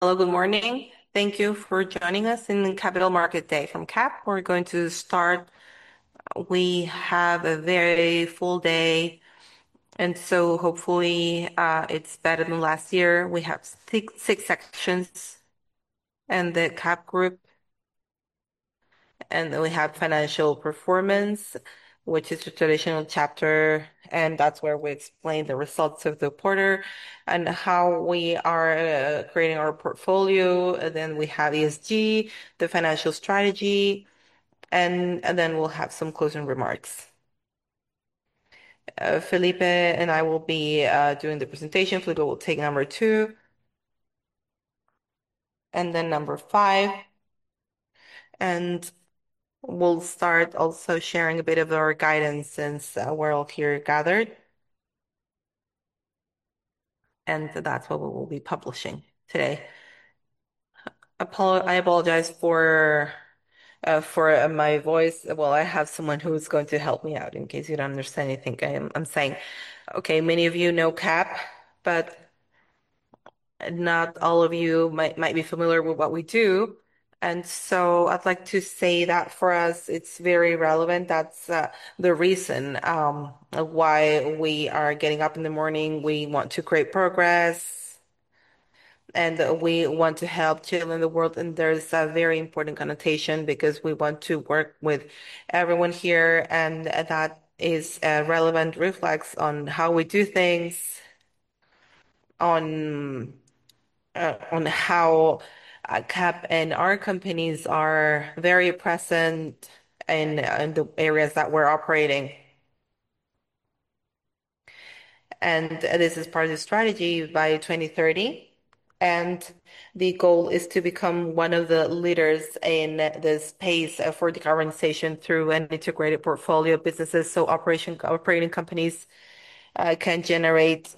Hello, good morning. Thank you for joining us in the Capital Market Day from CAP. We're going to start. We have a very full day, and so hopefully, it's better than last year. We have six sections in the CAP Group. We have financial performance, which is the traditional chapter, and that's where we explain the results of the quarter and how we are creating our portfolio. We have ESG, the financial strategy, and then we'll have some closing remarks. Felipe and I will be doing the presentation. Felipe will take number two and then number five. We'll start also sharing a bit of our guidance since we're all here gathered. That's what we will be publishing today. I apologize for my voice. Well, I have someone who's going to help me out in case you don't understand anything I'm saying. Okay, many of you know CAP, but not all of you might be familiar with what we do. I'd like to say that for us it's very relevant. That's the reason why we are getting up in the morning. We want to create progress, and we want to help children in the world. There's a very important connotation because we want to work with everyone here, and that is a relevant reflection on how we do things, on how CAP and our companies are very present in the areas that we're operating. This is part of the strategy by 2030, and the goal is to become one of the leaders in the space for decarbonization through an integrated portfolio of businesses, so operating companies can generate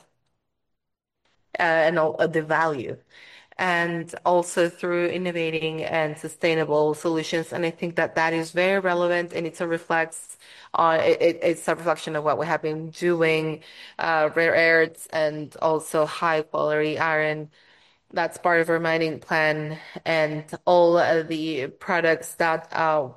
and all the value, and also through innovating and sustainable solutions. I think that is very relevant, and it's a reflection of what we have been doing, rare earths and also high-quality iron. That's part of our mining plan and all of the products that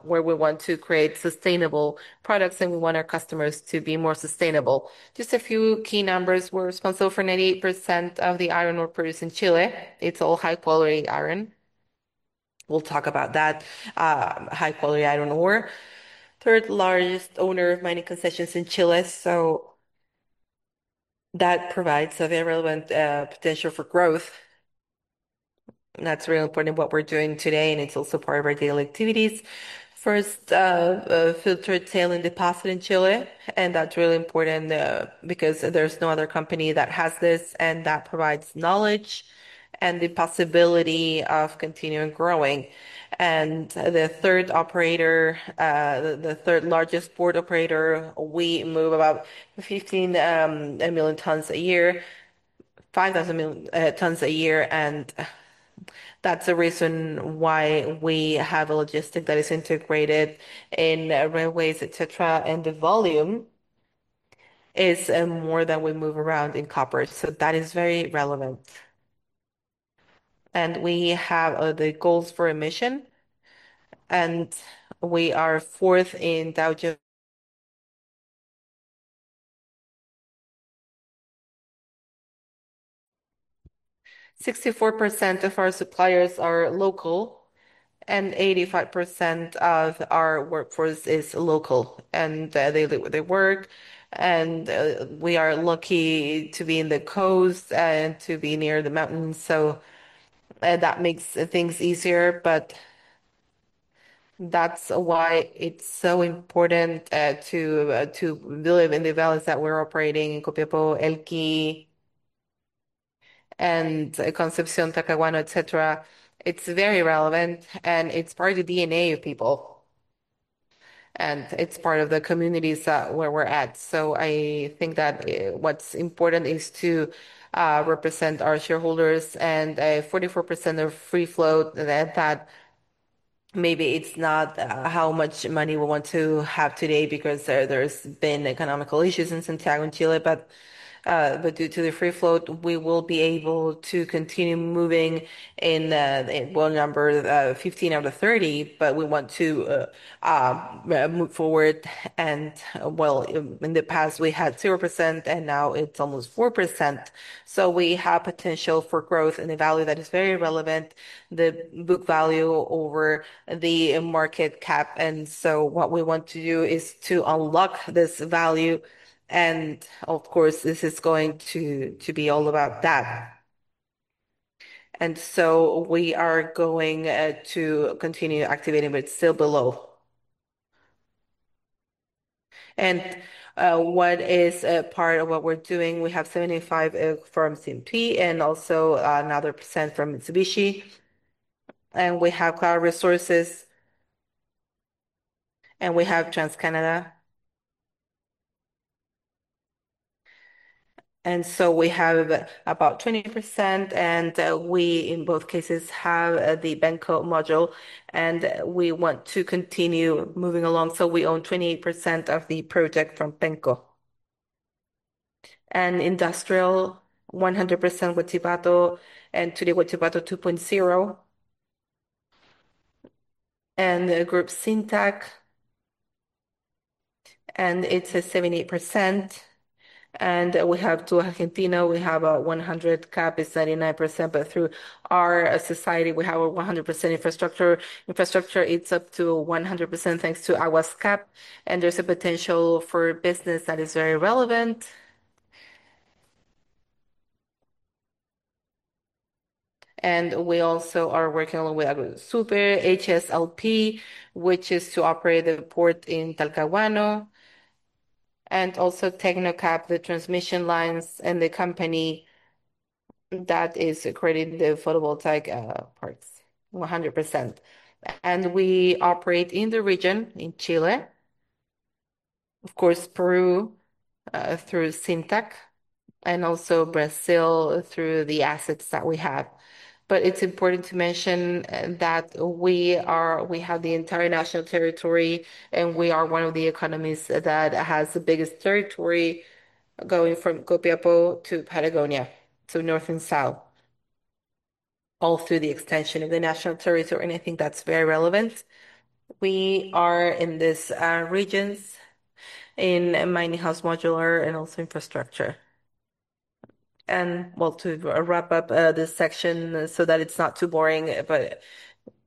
we want to create sustainable products, and we want our customers to be more sustainable. Just a few key numbers. We're responsible for 98% of the iron ore produced in Chile. It's all high-quality iron. We'll talk about that, high-quality iron ore. Third-largest owner of mining concessions in Chile, so that provides a very relevant potential for growth. That's really important in what we're doing today, and it's also part of our daily activities. First, filtered tailings deposit in Chile, and that's really important, because there's no other company that has this, and that provides knowledge and the possibility of continuing growing. The third operator, the third-largest port operator, we move about 15 million tons a year, 5,000 tons a year, and that's the reason why we have a logistics that is integrated in railways, et cetera. The volume is more than we move around in copper. That is very relevant. We have the goals for emission, and we are fourth in Dow Jones. 64% of our suppliers are local, and 85% of our workforce is local. They work, and we are lucky to be in the coast and to be near the mountains, so that makes things easier. That's why it's so important to live in the valleys that we're operating, in Copiapó, Elqui, and Concepción, Talcahuano, etc. It's very relevant, and it's part of the DNA of people, and it's part of the communities where we're at. I think that what's important is to represent our shareholders. 44% of free float, that maybe it's not how much money we want to have today because there's been economic issues in Santiago, Chile. Due to the free float, we will be able to continue moving in number 15 out of 30. We want to move forward. In the past, we had 0%, and now it's almost 4%. We have potential for growth and a value that is very relevant, the book value over the market cap. What we want to do is to unlock this value, and of course, this is going to be all about that. We are going to continue activating, but it's still below. What is a part of what we're doing, we have 75% from CMP and also another percent from Mitsubishi. We have Aclara Resources, and we have Tecnocap. We have about 20%, and we in both cases have the Penco module, and we want to continue moving along. We own 28% of the project from Penco and industrial 100% Huachipato and today Huachipato 2.0. The group Cintac, and it's at 78%. We have to Argentina, we have a 100%. CAP is 99%, but through our society, we have a 100% infrastructure. Infrastructure, it's up to 100% thanks to Aguas CAP, and there's a potential for business that is very relevant. We also are working with Agrosuper, HSLP, which is to operate the port in Talcahuano, and also Tecnocap, the transmission lines, and the company that is creating the photovoltaic parts 100%. We operate in the region, in Chile, offcourse, Peru, through Cintac, and also Brazil through the assets that we have. It's important to mention that we have the entire national territory, and we are one of the economies that has the biggest territory going from Copiapó to Patagonia, so north and south, all through the extension of the national territory, and I think that's very relevant. We are in this regions in mining, house modular, and also infrastructure. Well to wrap up this section so that it's not too boring, but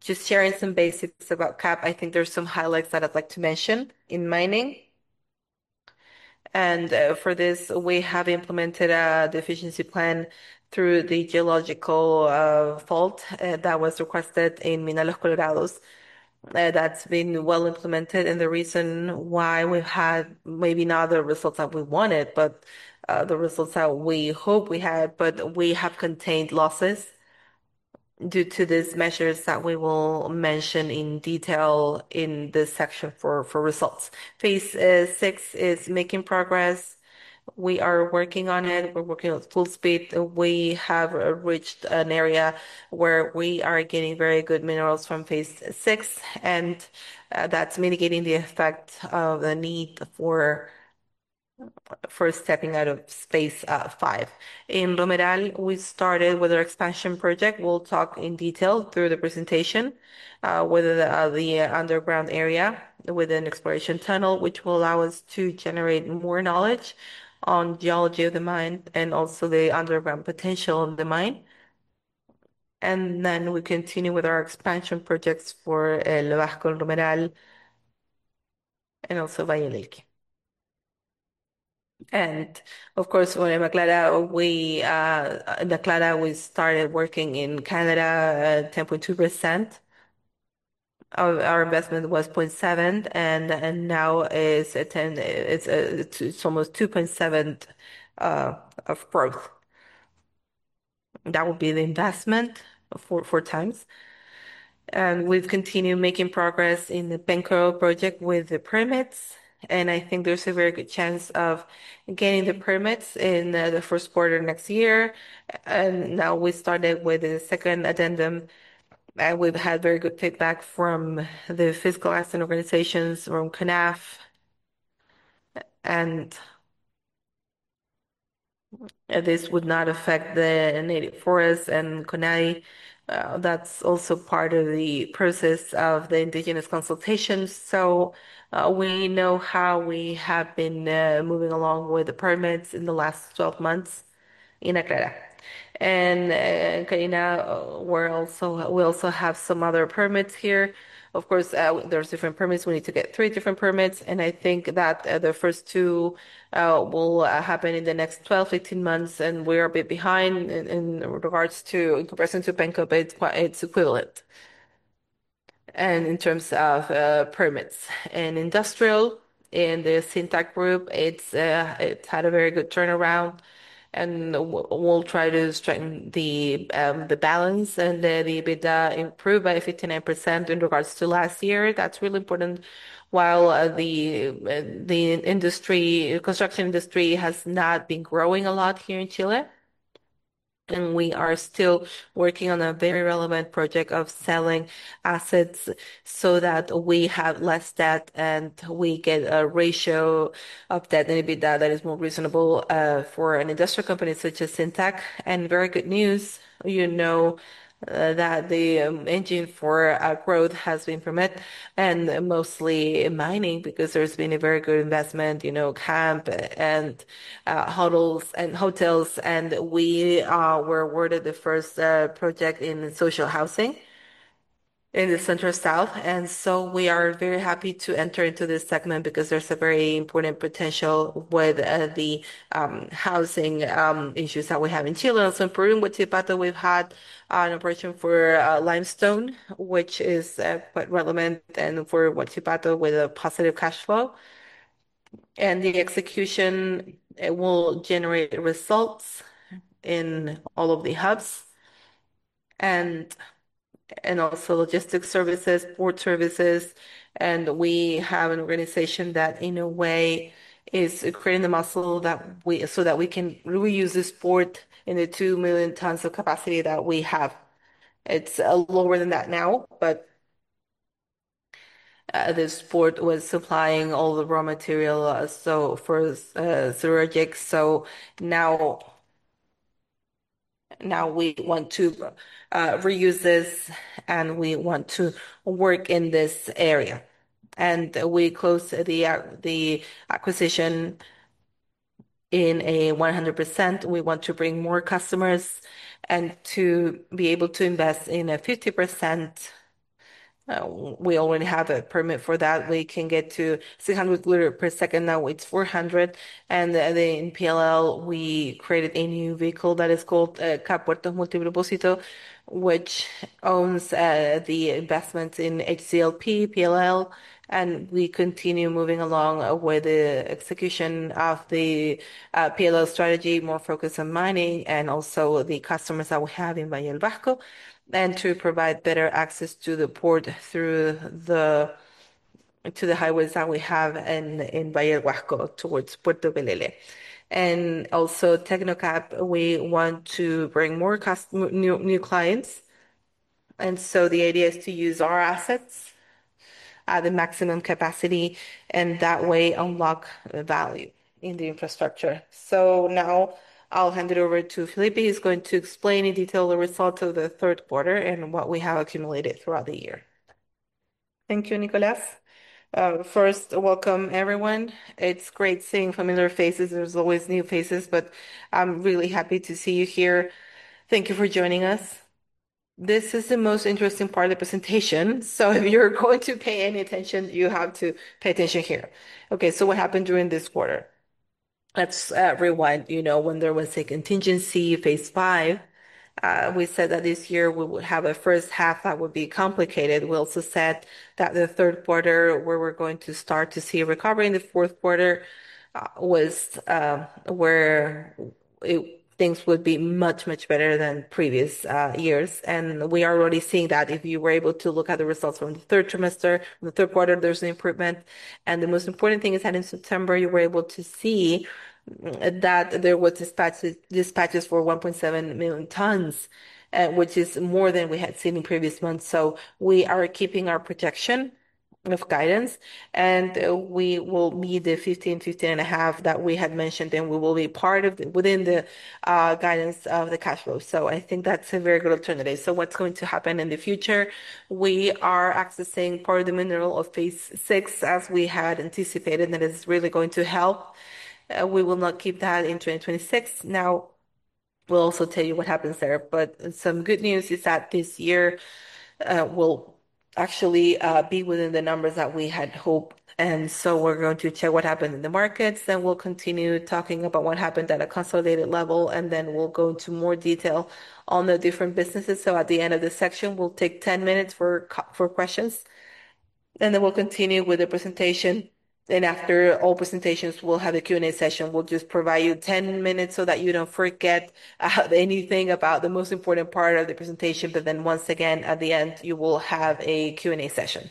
just sharing some basics about CAP. I think there's some highlights that I'd like to mention in mining. For this, we have implemented a deficiency plan through the geological fault that was requested in Mina Los Colorados. That's been well implemented, and the reason why we had maybe not the results that we wanted, but the results that we hope we had. We have contained losses due to these measures that we will mention in detail in this section for results. Phase six is making progress. We are working on it. We're working at full speed. We have reached an area where we are getting very good minerals from phase six, and that's mitigating the effect of the need for stepping out of phase five. In El Romeral, we started with our expansion project. We'll talk in detail through the presentation with the underground area with an exploration tunnel, which will allow us to generate more knowledge on geology of the mine and also the underground potential of the mine. We continue with our expansion projects for El Bajón, El Romeral, and also Valle del Huasco. Offcourse, in Aclara, we started working on Carina at 10.2%. Our investment was 0.7 and now it's at 10. It's almost 2.7% of growth. That would be the investment for four times. We've continued making progress in the Penco project with the permits, and I think there's a very good chance of getting the permits in the first quarter next year. Now we started with the second addendum, and we've had very good feedback from the fiscal asset organizations from CONAF. This would not affect the native forest and CONADI. That's also part of the process of the indigenous consultations. We know how we have been moving along with the permits in the last 12 months in Aclara. Carina, we also have some other permits here. Of course, there's different permits. We need to get three different permits, and I think that the first two will happen in the next 12-15 months, and we're a bit behind in regards to in comparison to Penco, but it's equivalent, and in terms of permits. In industrial, in the Cintac Group, it had a very good turnaround, and we'll try to strengthen the balance and the EBITDA improved by 59% in regards to last year. That's really important. While the construction industry has not been growing a lot here in Chile, we are still working on a very relevant project of selling assets so that we have less debt, and we get a ratio of debt and EBITDA that is more reasonable for an industrial company such as Cintac. Very good news, you know, that the engine for our growth has been from CAP and mostly mining because there's been a very good investment, you know, CAP and hotels. We were awarded the first project in social housing in the central south. We are very happy to enter into this segment because there's a very important potential with the housing issues that we have in Chile and also in Peru with Huachipato. We've had an operation for limestone, which is quite relevant and for Huachipato with a positive cash flow. The execution will generate results in all of the hubs and also logistics services, port services. We have an organization that, in a way, is creating the muscle so that we can really use this port in the two million tons of capacity that we have. It's lower than that now, but this port was supplying all the raw material so for Cerrogig. Now we want to reuse this, and we want to work in this area. We closed the acquisition in a 100%. We want to bring more customers and to be able to invest in a 50%. We already have a permit for that. We can get to 600 liters per second. Now it's 400. Then in PLL, we created a new vehicle that is called CAP Puertos Multipropósito, which owns the investments in HCLP, PLL. We continue moving along with the execution of the PLL strategy, more focused on mining and also the customers that we have in Valle del Huasco, and to provide better access to the port through the highways that we have in Valle del Huasco towards Puerto Las Losas. Also Tecnocap, we want to bring more new clients. The idea is to use our assets at the maximum capacity, and that way unlock the value in the infrastructure. Now I'll hand it over to Felipe. He's going to explain in detail the results of the third quarter and what we have accumulated throughout the year. Thank you, Nicolás. First, welcome everyone. It's great seeing familiar faces. There's always new faces, but I'm really happy to see you here. Thank you for joining us. This is the most interesting part of the presentation, so if you're going to pay any attention, you have to pay attention here. Okay, so what happened during this quarter? As everyone you know, when there was a contingency phase five, we said that this year we would have a first half that would be complicated. We also said that the third quarter, where we're going to start to see a recovery in the fourth quarter, was where things would be much better than previous years. We are already seeing that. If you were able to look at the results from the third trimester, the third quarter, there's an improvement. The most important thing is that in September, you were able to see that there was dispatches for 1.7 million tons, which is more than we had seen in previous months. We are keeping our projection of guidance, and we will meet the 15, 15.5 that we had mentioned, and we will be part within the guidance of the cash flow. I think that's a very good alternative. What's going to happen in the future? We are accessing part of the mineral of phase six as we had anticipated, and that is really going to help. We will not keep that in 2026. Now we'll also tell you what happens there. Some good news is that this year will actually be within the numbers that we had hoped. We're going to check what happened in the markets. We'll continue talking about what happened at a consolidated level, and then we'll go into more detail on the different businesses. At the end of this section, we'll take 10 minutes for questions, and then we'll continue with the presentation. After all presentations, we'll have a Q&A session. We'll just provide you 10 minutes so that you don't forget anything about the most important part of the presentation. Once again, at the end, you will have a Q&A session.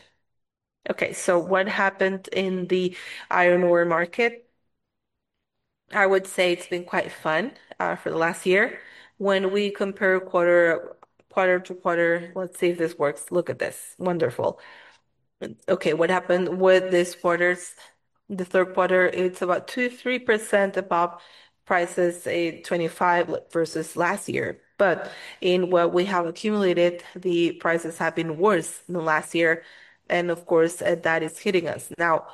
Okay, what happened in the iron ore market? I would say it's been quite fun for the last year. When we compare quarter to quarter. Let's see if this works. Look at this. Wonderful. Okay, what happened with this quarters? The third quarter, it's about 2%-3% above prices in 2025 versus last year. In what we have accumulated, the prices have been worse than last year, and of course, that is hitting us. Now,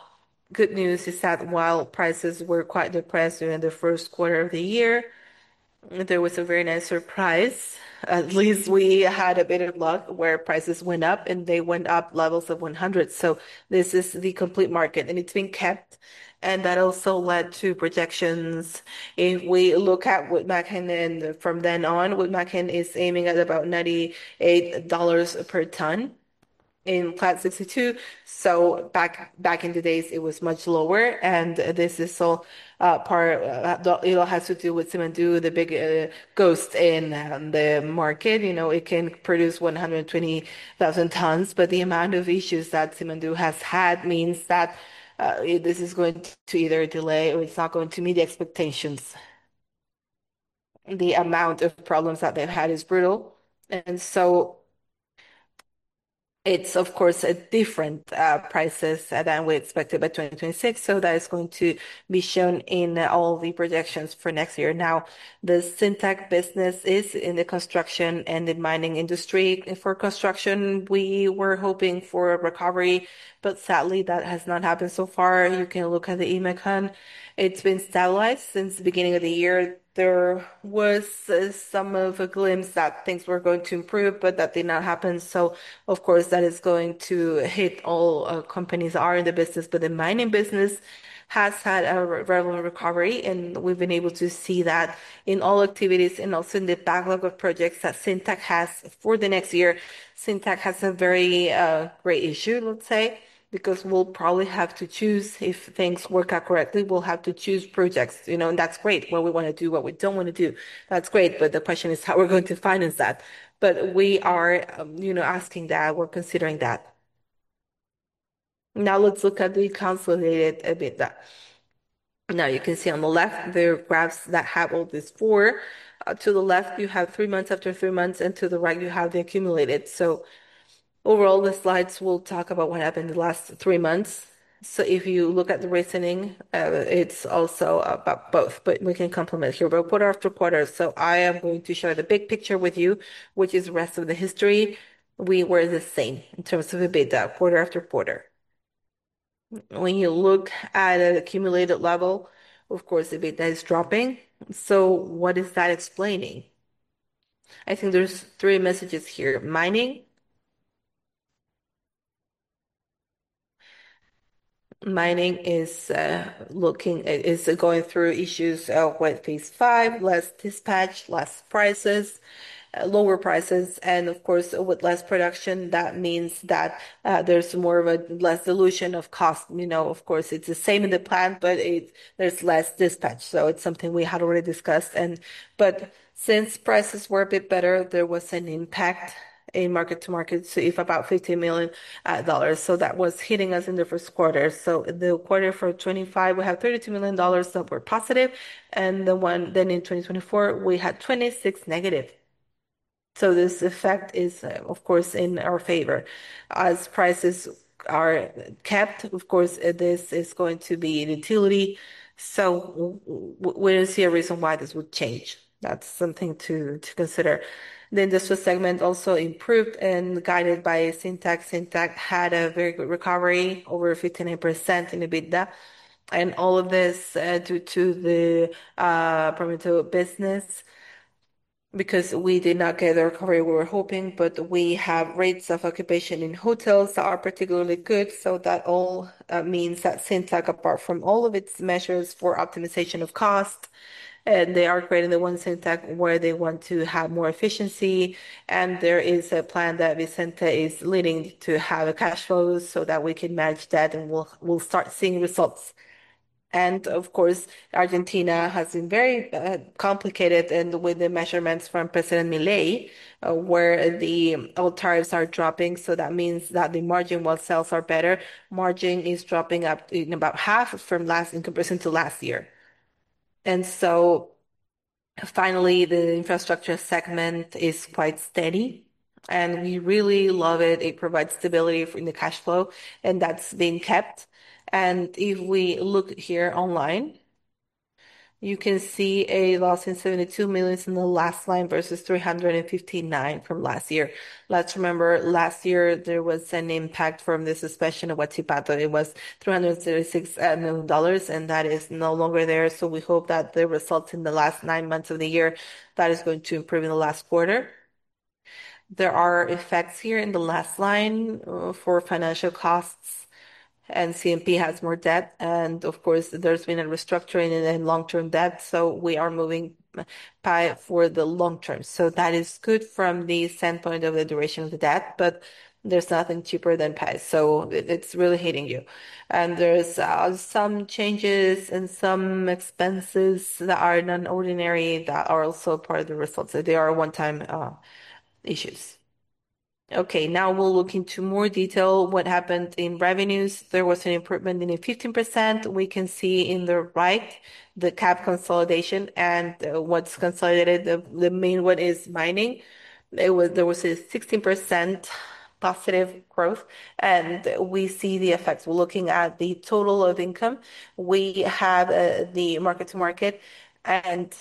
good news is that while prices were quite depressed during the first quarter of the year, there was a very nice surprise. At least we had a bit of luck where prices went up, and they went up levels of 100. This is the complete market, and it's been kept, and that also led to projections. If we look at Wood Mackenzie and then from then on, Wood Mackenzie is aiming at about $98 per ton in Fe 62. Back in the days, it was much lower, and this is all part. It all has to do with Simandou, the big ghost in the market. You know, it can produce 120,000 tons. The amount of issues that Simandou has had means that this is going to either delay or it's not going to meet the expectations. The amount of problems that they've had is brutal. It's of course a different prices than we expected by 2026, so that is going to be shown in all the projections for next year. Now, the Cintac business is in the construction and in mining industry. For construction, we were hoping for a recovery, but sadly, that has not happened so far. You can look at the IMACON. It's been stabilized since the beginning of the year. There was some of a glimpse that things were going to improve, but that did not happen. Of course, that is going to hit all companies in the business. The mining business has had a regular recovery, and we've been able to see that in all activities and also in the backlog of projects that Cintac has for the next year. Cintac has a very great issue, let's say, because we'll probably have to choose. If things work out correctly, we'll have to choose projects, you know, and that's great. What we wanna do, what we don't wanna do, that's great. The question is how we're going to finance that. We are asking that. We're considering that. Now let's look at the consolidated EBITDA. You can see on the left the graphs that have all these four. To the left, you have three months after three months, and to the right, you have the accumulated. Overall, the slides will talk about what happened the last three months. If you look at the reasoning, it's also about both, but we can complement here. Quarter after quarter, I am going to share the big picture with you, which is the rest of the history. We were the same in terms of EBITDA quarter after quarter. When you look at an accumulated level, of course, EBITDA is dropping. What is that explaining? I think there's three messages here. Mining. Mining is going through issues with phase five, less dispatch, less prices, lower prices. And of course, with less production, that means that there's more or less dilution of cost. You know, of course, it's the same in the plant, but there's less dispatch. It's something we had already discussed and Since prices were a bit better, there was an impact in mark-to-market, so about $15 million dollars. That was hitting us in the first quarter. The quarter for 2025, we have $32 million dollars that were positive, and then in 2024, we had $26 million negative. This effect is, of course, in our favor. As prices are kept, of course, this is going to be a utility, so we don't see a reason why this would change. That's something to consider. The industrial segment also improved and guided by Cintac. Cintac had a very good recovery, over 158% in EBITDA. All of this due to the Promet business because we did not get the recovery we were hoping. We have rates of occupation in hotels that are particularly good. That all means that Cintac, apart from all of its measures for optimization of cost, they are creating the One Cintac where they want to have more efficiency. There is a plan that Vicenta is leading to have a cash flow so that we can manage that, and we'll start seeing results. Of course, Argentina has been very complicated and with the measures from President Milei, where the old tariffs are dropping. That means that the margin while sales are better, margin is dropping by about half in comparison to last year. Finally, the infrastructure segment is quite steady, and we really love it. It provides stability for the cash flow, and that's being kept. If we look here online, you can see a loss of $72 million in the last line versus $359 million from last year. Let's remember, last year, there was an impact from the suspension of Huachipato. It was $336 million, and that is no longer there. We hope that the results in the last nine months of the year, that is going to improve in the last quarter. There are effects here in the last line for financial costs, and CMP has more debt. Of course, there's been a restructuring in the long-term debt. We are moving pay for the long term. That is good from the standpoint of the duration of the debt, but there's nothing cheaper than pay. It's really hitting you. There's some changes and some expenses that are non-ordinary that are also part of the results. They are one-time issues. Okay, now we'll look into more detail what happened in revenues. There was an improvement of 15%. We can see on the right the CAP consolidation and what's consolidated. The main one is mining. There was a 16% positive growth, and we see the effects. We're looking at the total of income. We have the mark-to-market and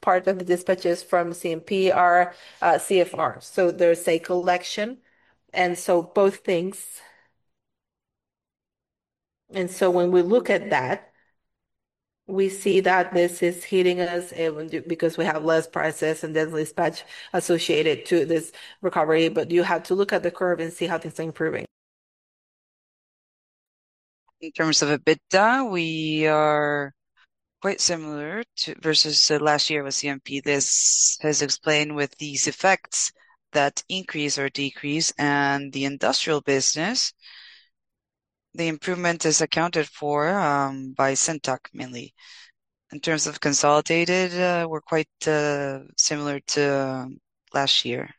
part of the dispatches from CMP are CFR. There's a collection, and so both things. When we look at that, we see that this is hitting us even because we have less prices and then less dispatch associated to this recovery. You have to look at the curve and see how things are improving. In terms of EBITDA, we are quite similar to versus last year with CMP. This has explained with these effects that increase or decrease. The industrial business, the improvement is accounted for by Cintac mainly. In terms of consolidated, we're quite similar to last year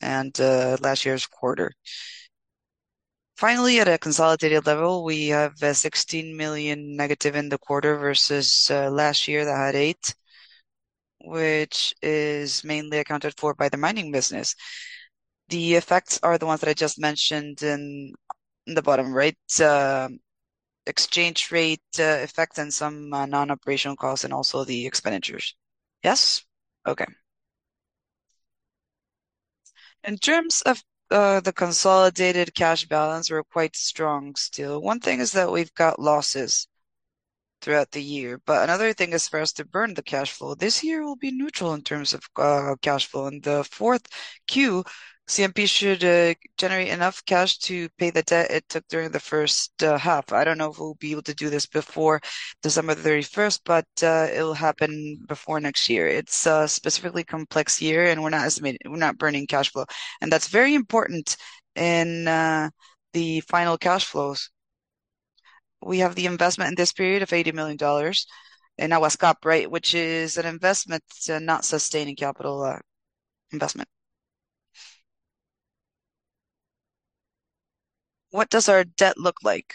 and last year's quarter. Finally, at a consolidated level, we have a $16 million negative in the quarter versus last year that had $8 million, which is mainly accounted for by the mining business. The effects are the ones that I just mentioned in the bottom right. Exchange rate effect and some non-operational costs and also the expenditures. Yes? Okay. In terms of the consolidated cash balance, we're quite strong still. One thing is that we've got losses throughout the year, but another thing is for us to burn the cash flow. This year will be neutral in terms of cash flow. In the fourth Q, CMP should generate enough cash to pay the debt it took during the first half. I don't know if we'll be able to do this before December the thirty-first, but it'll happen before next year. It's a specifically complex year, and we're not burning cash flow. That's very important in the final cash flows. We have the investment in this period of $80 million in Aguas CAP, right, which is an investment not sustaining capital investment. What does our debt look like?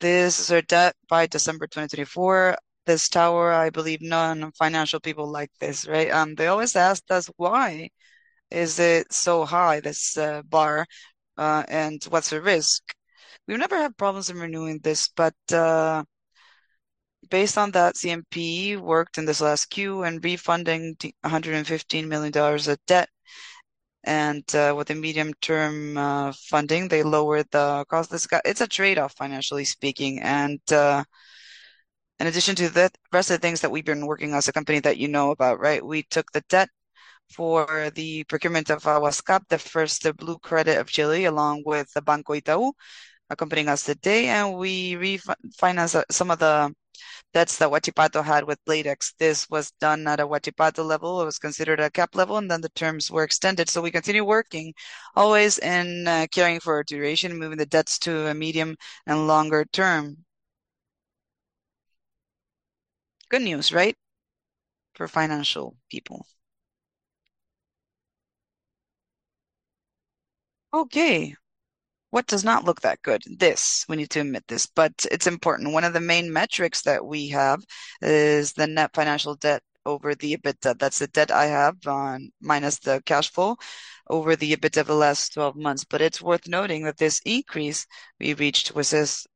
This is our debt by December 2024. This tower, I believe non-financial people like this, right? They always ask us why is it so high, this bar, and what's the risk? We've never had problems in renewing this, but based on that CMP worked in this last Q in refunding a hundred and fifteen million dollars of debt and with the medium-term funding, they lowered the cost. It's a trade-off financially speaking. In addition to the rest of the things that we've been working as a company that you know about, right? We took the debt for the procurement of Aguas CAP, the first blue credit of Chile along with the Banco Itaú accompanying us today, and we refinanced some of the debts that Huachipato had with Bladex. This was done at a Huachipato level. It was considered a CAP level, and then the terms were extended. We continue working always and, caring for duration, moving the debts to a medium and longer term. Good news, right? For financial people. Okay. What does not look that good? This. We need to admit this, but it's important. One of the main metrics that we have is the net financial debt over the EBITDA. That's the debt I have minus the cash flow over the EBITDA the last twelve months. It's worth noting that this increase we reached was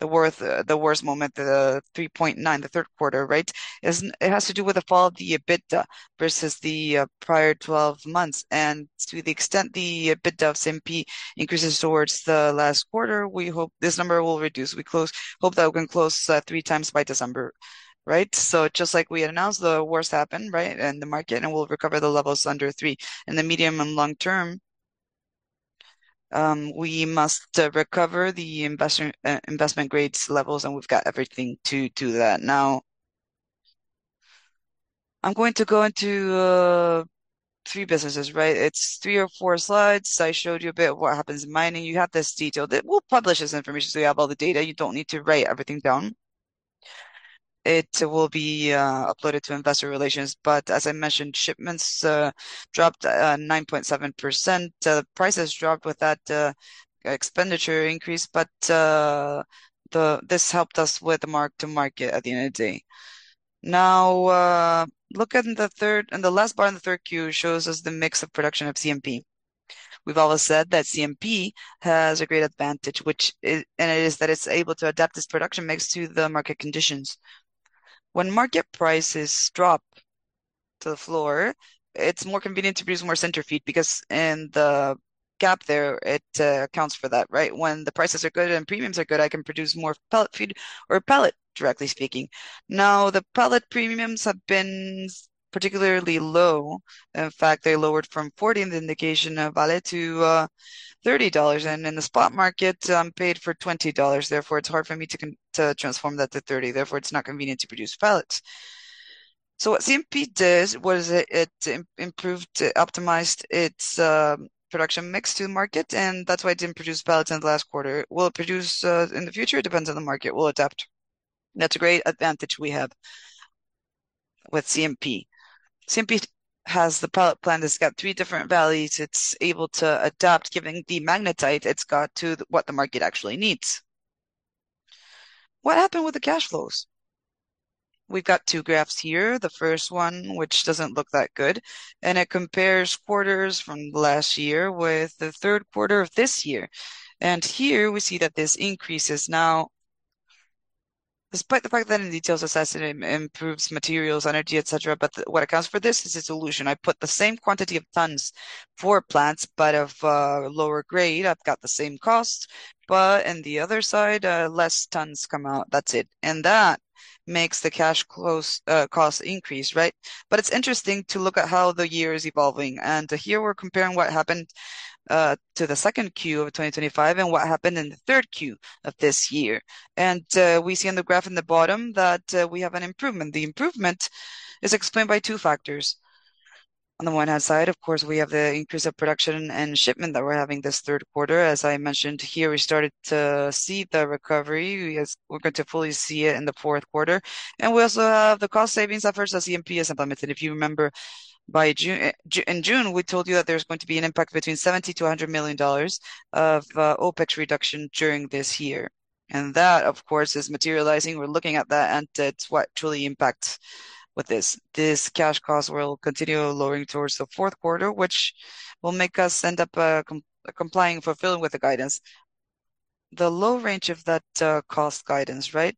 the worst moment, the 3.9, the third quarter, right? It has to do with the fall of the EBITDA versus the prior 12 months. To the extent the EBITDA of CMP increases towards the last quarter, we hope this number will reduce. We hope that we can close three times by December, right? Just like we had announced, the worst happened, right? In the market, and we'll recover the levels under three. In the medium and long term, we must recover the investment grades levels, and we've got everything to do that. Now, I'm going to go into three businesses, right? It's three or four slides. I showed you a bit what happens in mining. You have this detailed. We'll publish this information, so you have all the data. You don't need to write everything down. It will be uploaded to investor relations. But as I mentioned, shipments dropped 9.7%. Prices dropped with that, expenditure increase, but this helped us with mark-to-market at the end of the day. Now, look at the third. In the last part in the third Q shows us the mix of production of CMP. We've always said that CMP has a great advantage which is and it is that it's able to adapt its production mix to the market conditions. When market prices drop to the floor, it's more convenient to produce more sinter feed because in the gap there, it accounts for that, right? When the prices are good and premiums are good, I can produce more pellet feed or pellet, directly speaking. Now, the pellet premiums have been particularly low. In fact, they lowered from $40 in the indication of Vale to $30 and in the spot market paid for $20. Therefore, it's hard for me to transform that to $30. Therefore, it's not convenient to produce pellets. What CMP did was it improved, optimized its production mix to the market, and that's why it didn't produce pellets in the last quarter. Will it produce in the future? It depends on the market. We'll adapt. That's a great advantage we have with CMP. CMP has the pellet plant that's got three different values. It's able to adapt giving the magnetite it's got to what the market actually needs. What happened with the cash flows? We've got two graphs here. The first one, which doesn't look that good, and it compares quarters from last year with the third quarter of this year. Here we see that this increase is now. Despite the fact that in detail it assesses improvements in materials, energy, et cetera, but what accounts for this is a dilution. I put the same quantity of tons for plants, but of lower grade. I've got the same cost, but in the other side, less tons come out. That's it. That makes the cash cost increase, right? It's interesting to look at how the year is evolving. Here we're comparing what happened to the second Q of 2025 and what happened in the third Q of this year. We see on the graph in the bottom that we have an improvement. The improvement is explained by two factors. On the one hand side, of course, we have the increase of production and shipment that we're having this third quarter. As I mentioned here, we started to see the recovery. Yes, we're going to fully see it in the fourth quarter. We also have the cost savings efforts as CMP has implemented. If you remember by June, we told you that there's going to be an impact between $70 million-$100 million of OpEx reduction during this year. That, of course, is materializing. We're looking at that, and it's what truly impacts with this. This cash cost will continue lowering towards the fourth quarter, which will make us end up complying, fulfilling with the guidance. The low range of that cost guidance, right?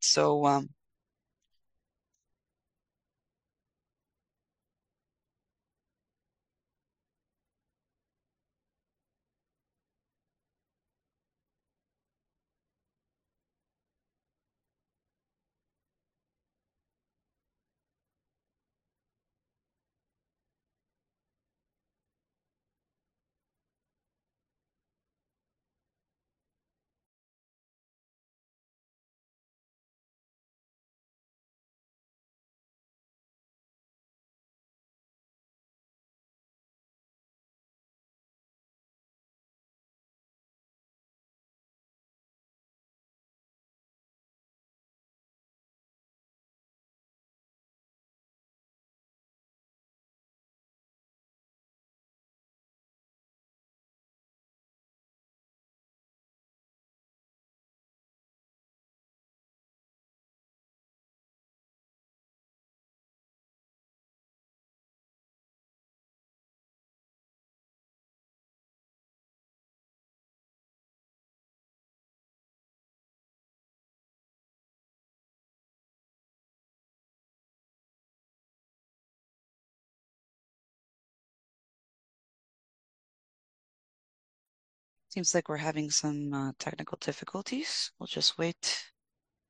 Seems like we're having some technical difficulties. We'll just wait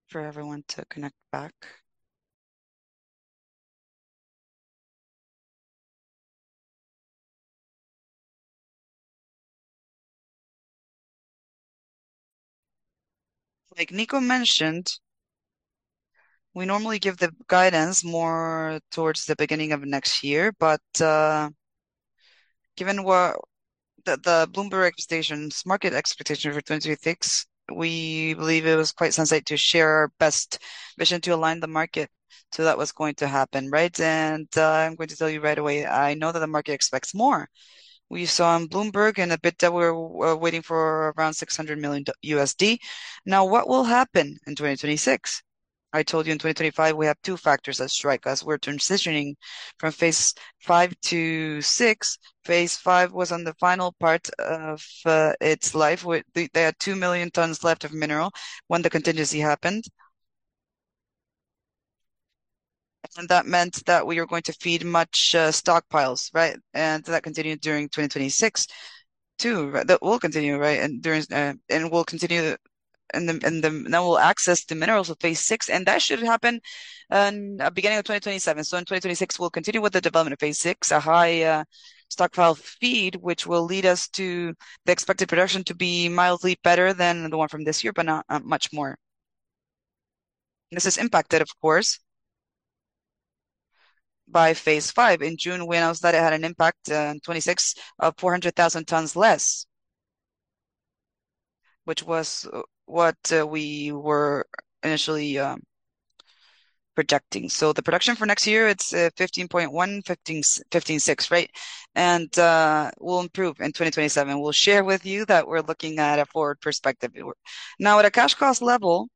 for everyone to connect back. Like Nico mentioned, we normally give the guidance more towards the beginning of next year, but given the Bloomberg expectations, market expectation for 2026, we believe it was quite sensible to share our best vision to align the market to what was going to happen, right? I'm going to tell you right away. I know that the market expects more. We saw on Bloomberg that we're waiting for around $600 million. Now, what will happen in 2026? I told you in 2025 we have two factors that strike us. We're transitioning from phase five to six. Phase five was on the final part of its life. They had two million tons left of mineral when the contingency happened. That meant that we were going to feed from stockpiles, right? That continued during 2026 too. That will continue, right? Now we'll access the minerals of phase six, and that should happen in beginning of 2027. In 2026, we'll continue with the development of phase six, a high stockpile feed which will lead us to the expected production to be mildly better than the one from this year, but not much more. This is impacted, of course, by phase five. In June, we announced that it had an impact in 2026 of 400,000 tons less, which was what we were initially projecting. The production for next year, it's 15.1, 15.6, right? Will improve in 2027. We'll share with you that we're looking at a forward perspective. Now, at a cash cost level,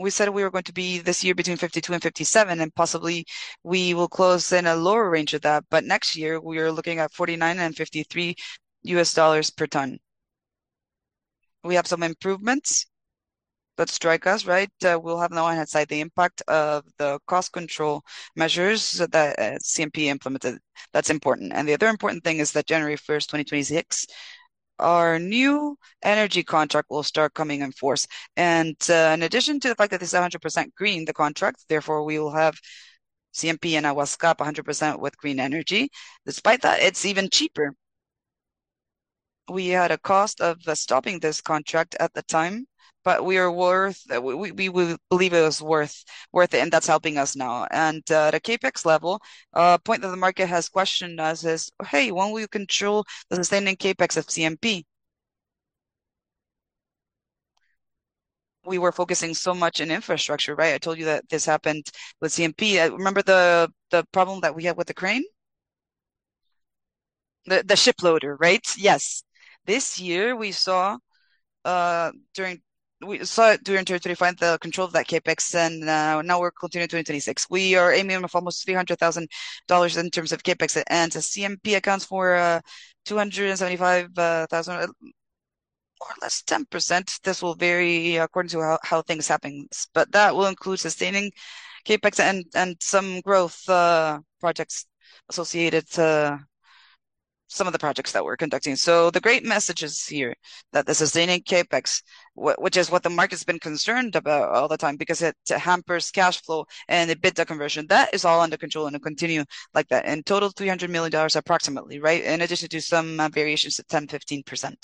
we said we were going to be this year between $52 and $57, and possibly we will close in a lower range of that. Next year we are looking at $49-$53 per ton. We have some improvements that strike us, right? We'll have in hindsight the impact of the cost control measures that CMP implemented. That's important. The other important thing is that January 1, 2026, our new energy contract will start coming into force. In addition to the fact that it's 100% green, the contract, therefore we will have CMP and Aguas CAP 100% with green energy. Despite that, it's even cheaper. We had a cost of stopping this contract at the time, but we believe it was worth it, and that's helping us now. At a CapEx level, a point that the market has questioned us is, "Hey, when will you control the sustaining CapEx of CMP?" We were focusing so much on infrastructure, right? I told you that this happened with CMP. Remember the problem that we had with the crane? The ship loader, right? Yes. This year we saw it during 2025, the control of that CapEx, and now we're continuing 2026. We are aiming for almost $300 thousand in terms of CapEx, and CMP accounts for $275 thousand, or less 10%. This will vary according to how things happen. That will include sustaining CapEx and some growth projects associated to some of the projects that we're conducting. The great message is here that the sustaining CapEx, which is what the market's been concerned about all the time because it hampers cash flow and EBITDA conversion, that is all under control and will continue like that. In total, $300 million approximately, right? In addition to some variations at 10%-15%.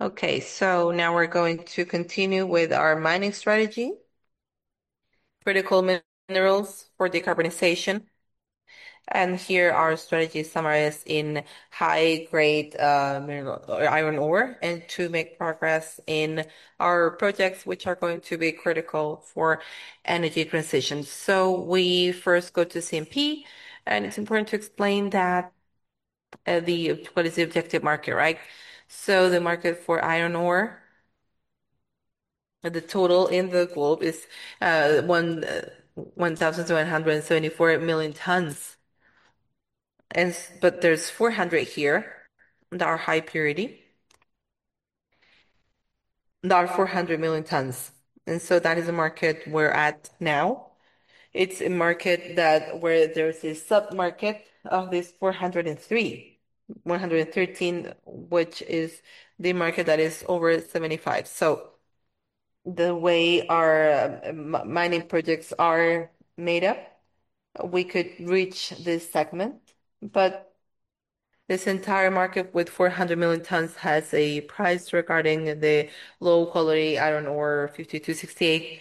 Okay, now we're going to continue with our mining strategy. Critical minerals for decarbonization. Here our strategy summarize in high-grade iron ore and to make progress in our projects which are going to be critical for energy transition. We first go to CMP, and it's important to explain that what is the objective market, right? The market for iron ore, the total in the globe is 1,774 million tons, but there's 400 million tons here that are high purity. There are 400 million tons, and that is the market we're at now. It's a market that where there's a sub-market of this 403,113, which is the market that is over 75. The way our mining projects are made up, we could reach this segment, but this entire market with 400 million tons has a price regarding the low quality iron ore, 50-68,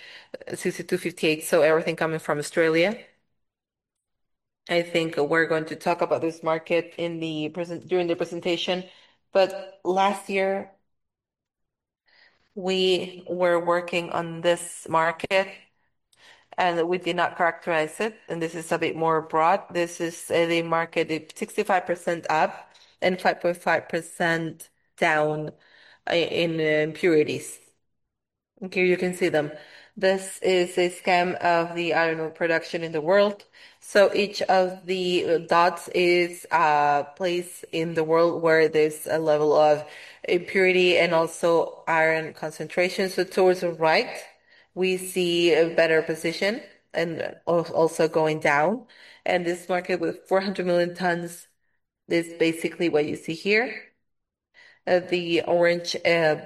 60-58, so everything coming from Australia. I think we're going to talk about this market in the presentation. Last year we were working on this market and we did not characterize it, and this is a bit more broad. This is the market, it's 65% up and 5.5% down in impurities. Okay, you can see them. This is a scan of the iron ore production in the world. Each of the dots is a place in the world where there's a level of impurity and also iron concentration. Towards the right, we see a better position and also going down. This market with 400 million tons is basically what you see here. The orange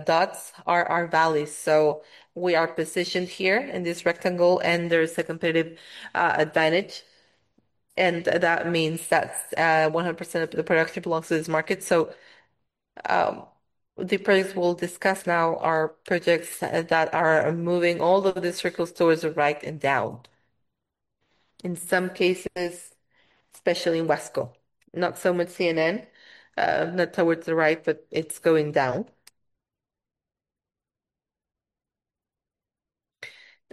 dots are our values. We are positioned here in this rectangle, and there's a competitive advantage, and that means that 100% of the production belongs to this market. The projects we'll discuss now are projects that are moving all of these circles towards the right and down. In some cases, especially in Huasco, not so much CNN, not towards the right, but it's going down.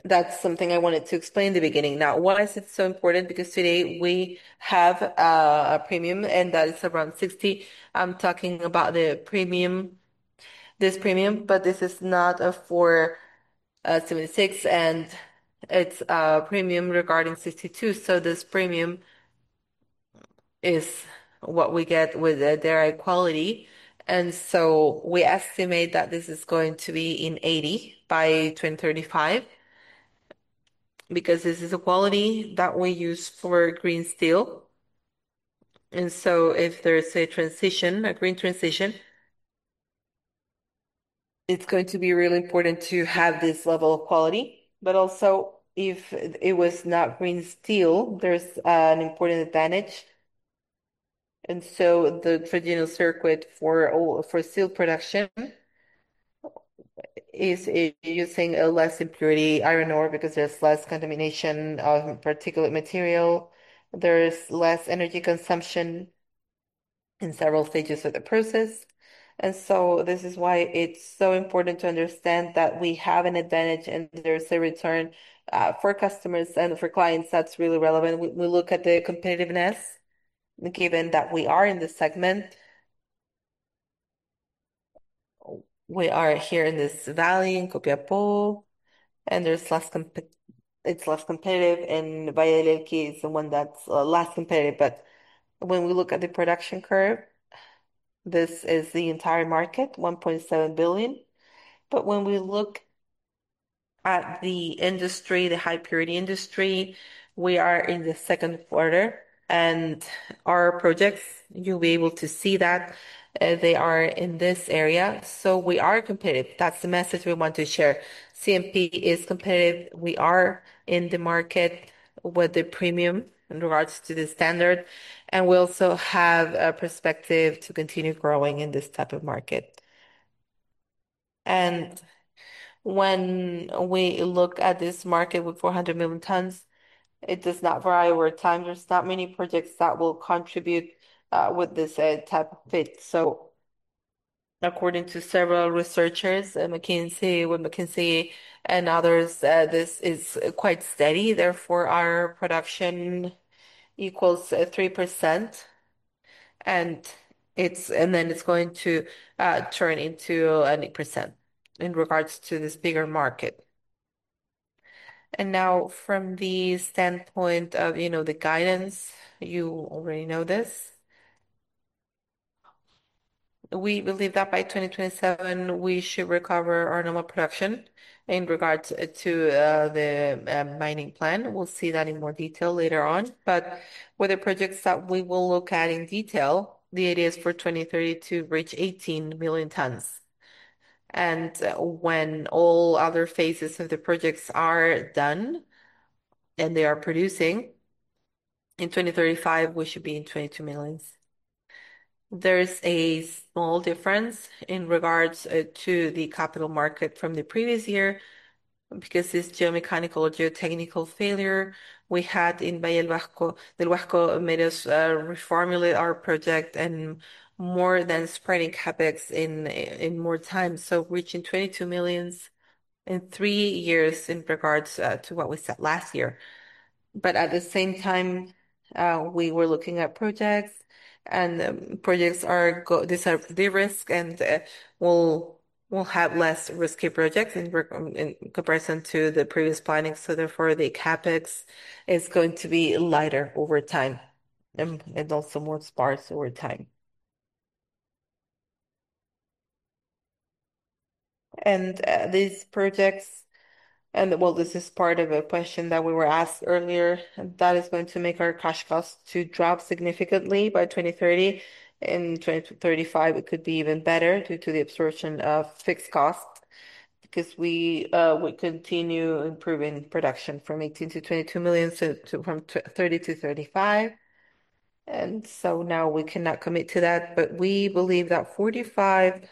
That's something I wanted to explain in the beginning. Now, why is it so important? Because today we have a premium, and that is around $60. I'm talking about the premium, this premium, but this is not for 76, and it's a premium regarding 62. This premium is what we get with the direct quality. We estimate that this is going to be in $80 by 2035 because this is a quality that we use for green steel. If there's a transition, a green transition, it's going to be really important to have this level of quality. Also if it was not green steel, there's an important advantage. The traditional circuit for steel production is using a less impurity iron ore because there's less contamination of particulate material, there's less energy consumption in several stages of the process. This is why it's so important to understand that we have an advantage and there's a return for customers and for clients that's really relevant. We look at the competitiveness given that we are in this segment. We are here in this valley in Copiapó, it's less competitive, and Valle del Huasco is the one that's less competitive. When we look at the production curve, this is the entire market, 1.7 billion. When we look at the industry, the high purity industry, we are in the second quarter. Our projects, you'll be able to see that, they are in this area, so we are competitive. That's the message we want to share. CMP is competitive. We are in the market with a premium in regards to the standard, and we also have a perspective to continue growing in this type of market. When we look at this market with 400 million tons, it does not vary over time. There's not many projects that will contribute with this type of fit. According to several researchers at McKinsey, with McKinsey and others, this is quite steady. Therefore, our production equals 3%, and then it's going to turn into 8% in regards to this bigger market. Now from the standpoint of, you know, the guidance, you already know this. We believe that by 2027, we should recover our normal production in regards to the mining plan. We'll see that in more detail later on. With the projects that we will look at in detail, the idea is for 2030 to reach 18 million tons. When all other phases of the projects are done, and they are producing, in 2035, we should be in $22 million. There's a small difference in regards to the CapEx from the previous year because this geomechanical or geotechnical failure we had in Valle del Huasco made us reformulate our project and more than spreading CapEx in more time. Reaching $22 million in three years in regards to what we set last year. At the same time, we were looking at projects, and the projects are de-risk, and we'll have less risky projects in comparison to the previous planning. Therefore, the CapEx is going to be lighter over time and also more sparse over time. These projects well, this is part of a question that we were asked earlier. That is going to make our cash costs to drop significantly by 2030. In 2035, it could be even better due to the absorption of fixed cost because we continue improving production from 18million to 22 million to from 30 to 35. Now we cannot commit to that. We believe that $45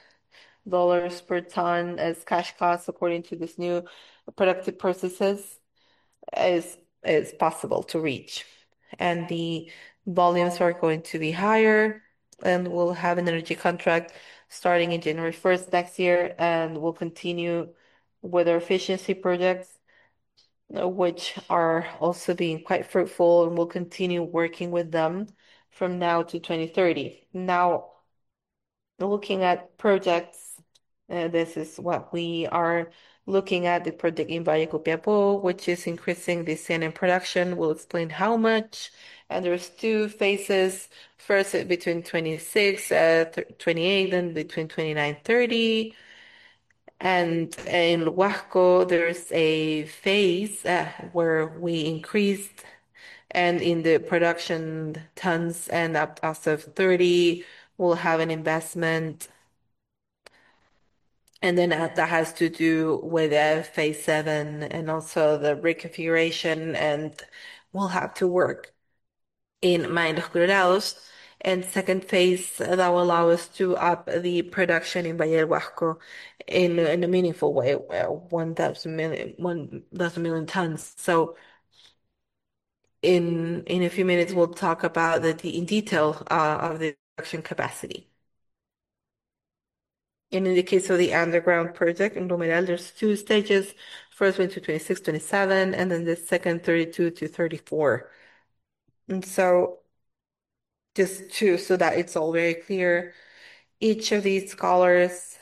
per ton as cash cost according to this new productive processes is possible to reach. The volumes are going to be higher, and we'll have an energy contract starting in January 1 next year, and we'll continue with our efficiency projects, which are also being quite fruitful, and we'll continue working with them from now to 2030. Looking at projects, this is what we are looking at, the project in Valle de Copiapó, which is increasing the CMP production. We'll explain how much. There are two phases. First between 2026-2028, and between 2029-2030. In Huasco, there is a phase where we increased. In the production tons and up as of 2030, we'll have an investment. That has to do with phase VII and also the reconfiguration, and we'll have to work in Mina Los Colorados. Second phase, that will allow us to up the production in Valle del Huasco in a meaningful way, 1,000 million tons. In a few minutes, we'll talk about in detail the production capacity. In the case of the underground project in Romeral, there's two stages. First one to 2026-2027, and then the second, 2032-2034. So that it's all very clear, each of these colors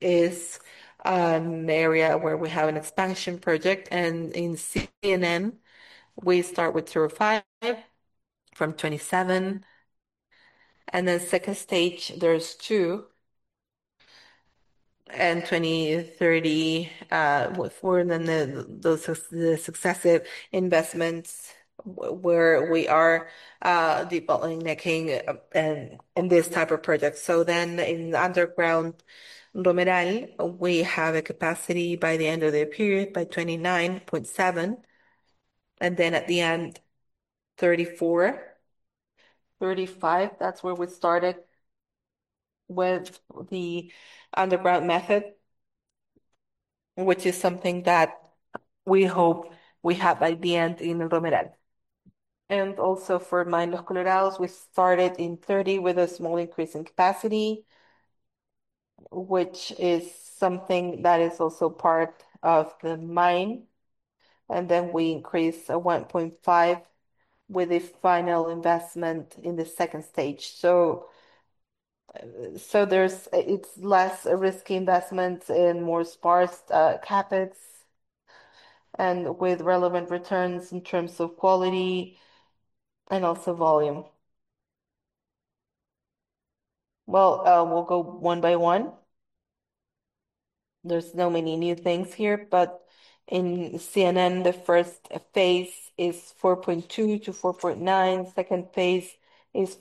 is an area where we have an expansion project. In CMP, we start with 0.5 from 2027. In the second stage, there's two. In 2030, from then the successive investments where we are, the bottlenecking in this type of project. Then in underground Romeral, we have a capacity by the end of the period by 29.7. Then at the end, 2034, 2035. That's where we started with the underground method, which is something that we hope we have by the end in Romeral. Also for Mina Los Colorados, we started in 2030 with a small increase in capacity, which is something that is also part of the mine. Then we increase 1.5 with a final investment in the second stage. It's less a risky investment and more sparse CapEx, and with relevant returns in terms of quality and also volume. Well, we'll go one by one. There's not many new things here. In CMP, the first phase is 4.2-4.9. Second phase is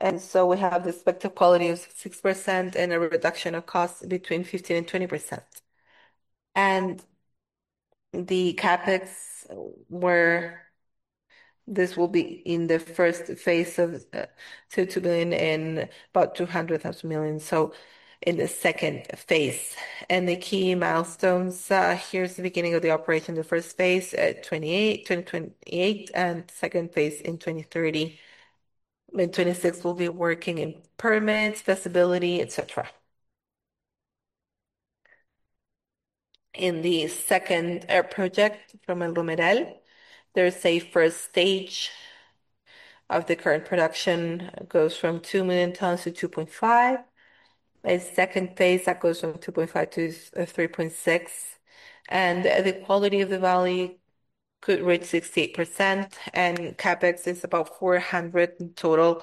4.9-5.7. We have the expected quality of 6% and a reduction of cost between 15%-20%. The CapEx this will be in the first phase of 2 billion and about 200 billion, so in the second phase. The key milestones, here's the beginning of the operation. The first phase at 2028, and second phase in 2030. In 2026, we'll be working in permits, feasibility, et cetera. In the second project, El Romeral, there's a first stage of the current production, goes from 2 million tons to 2.5 million tons. A second phase that goes from 2.5 to 3.6. The quality of the ore could reach 68%, and CapEx is about $400 million in total.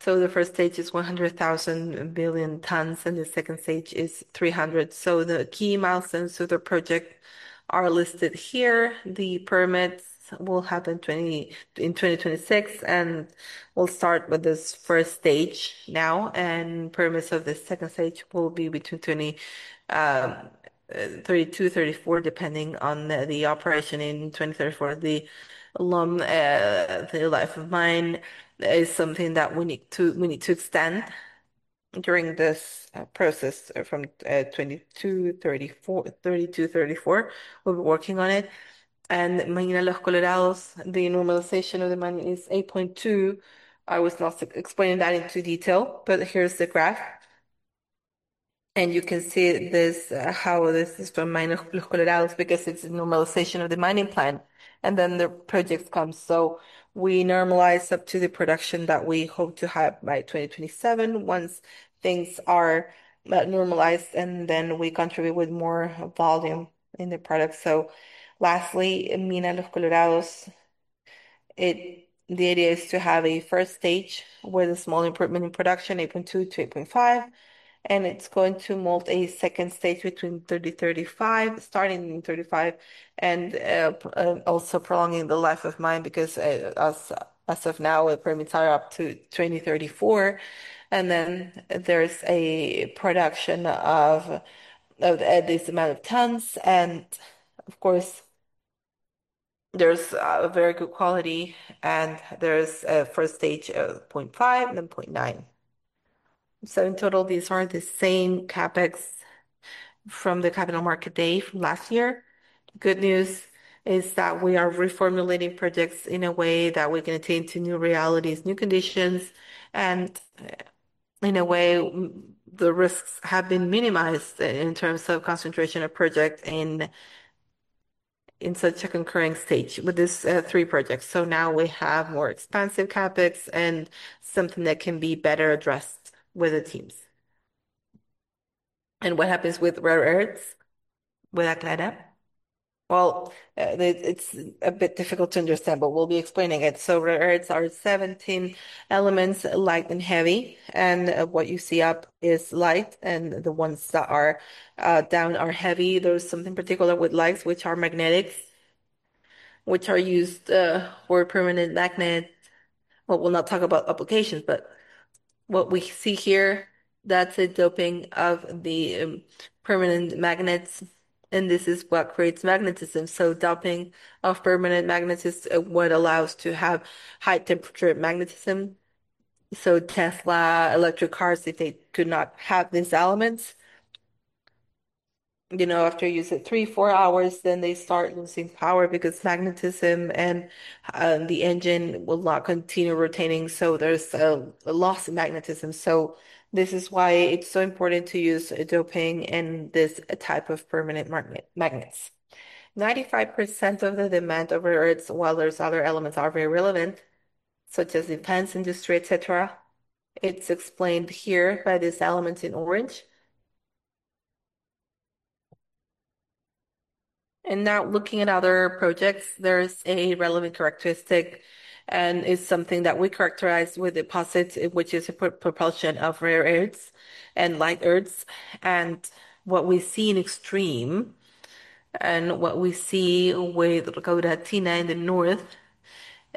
The first stage is $100 million, and the second stage is $300 million. The key milestones to the project are listed here. The permits will happen in 2026, and we'll start with this first stage now. Permits of the second stage will be between 2032, 2034, depending on the operation in 2034. The life of mine is something that we need to extend during this process from 2022, 2032-2034. We're working on it. Mina Los Colorados, the normalization of the mine is 8.2. I was not explaining that in detail, but here's the graph. You can see this, how this is from Mina Los Colorados because it's a normalization of the mining plan. Then the project comes, so we normalize up to the production that we hope to have by 2027 once things are normalized, and then we contribute with more volume in the product. Lastly, Mina Los Colorados, the idea is to have a first stage with a small improvement in production, 8.2-8.5. It's going to have a second stage between 2030, 2035, starting in 2035, and also prolonging the life of mine because, as of now, the permits are up to 2034. Then there's a production of at least amount of tons and, of course. There's a very good quality, and there's a first stage of 0.5, then 0.9. In total, these are the same CapEx from the capital market day from last year. Good news is that we are reformulating projects in a way that we can attend to new realities, new conditions, and in a way, the risks have been minimized in terms of concentration of project in such a concurrent stage with these three projects. Now we have more expansive CapEx and something that can be better addressed with the teams. What happens with rare earths with Aclara? Well, it's a bit difficult to understand, but we'll be explaining it. Rare earths are 17 elements, light and heavy, and what you see up is light, and the ones that are down are heavy. There's something particular with lights which are magnetic, which are used for permanent magnets. Well, we'll not talk about applications, but what we see here, that's a doping of the permanent magnets, and this is what creates magnetism. Doping of permanent magnets is what allows to have high-temperature magnetism. Tesla electric cars, if they could not have these elements, you know, after using three, four hours, then they start losing power because magnetism and the engine will not continue rotating, so there's a loss in magnetism. This is why it's so important to use doping in this type of permanent magnets. 95% of the demand of rare earths, while there's other elements are very relevant, such as defense industry, et cetera. It's explained here by these elements in orange. Now looking at other projects, there's a relevant characteristic, and it's something that we characterize with deposits, which is proportion of rare earths and light earths. What we see in extreme, what we see with Rocatina in the north,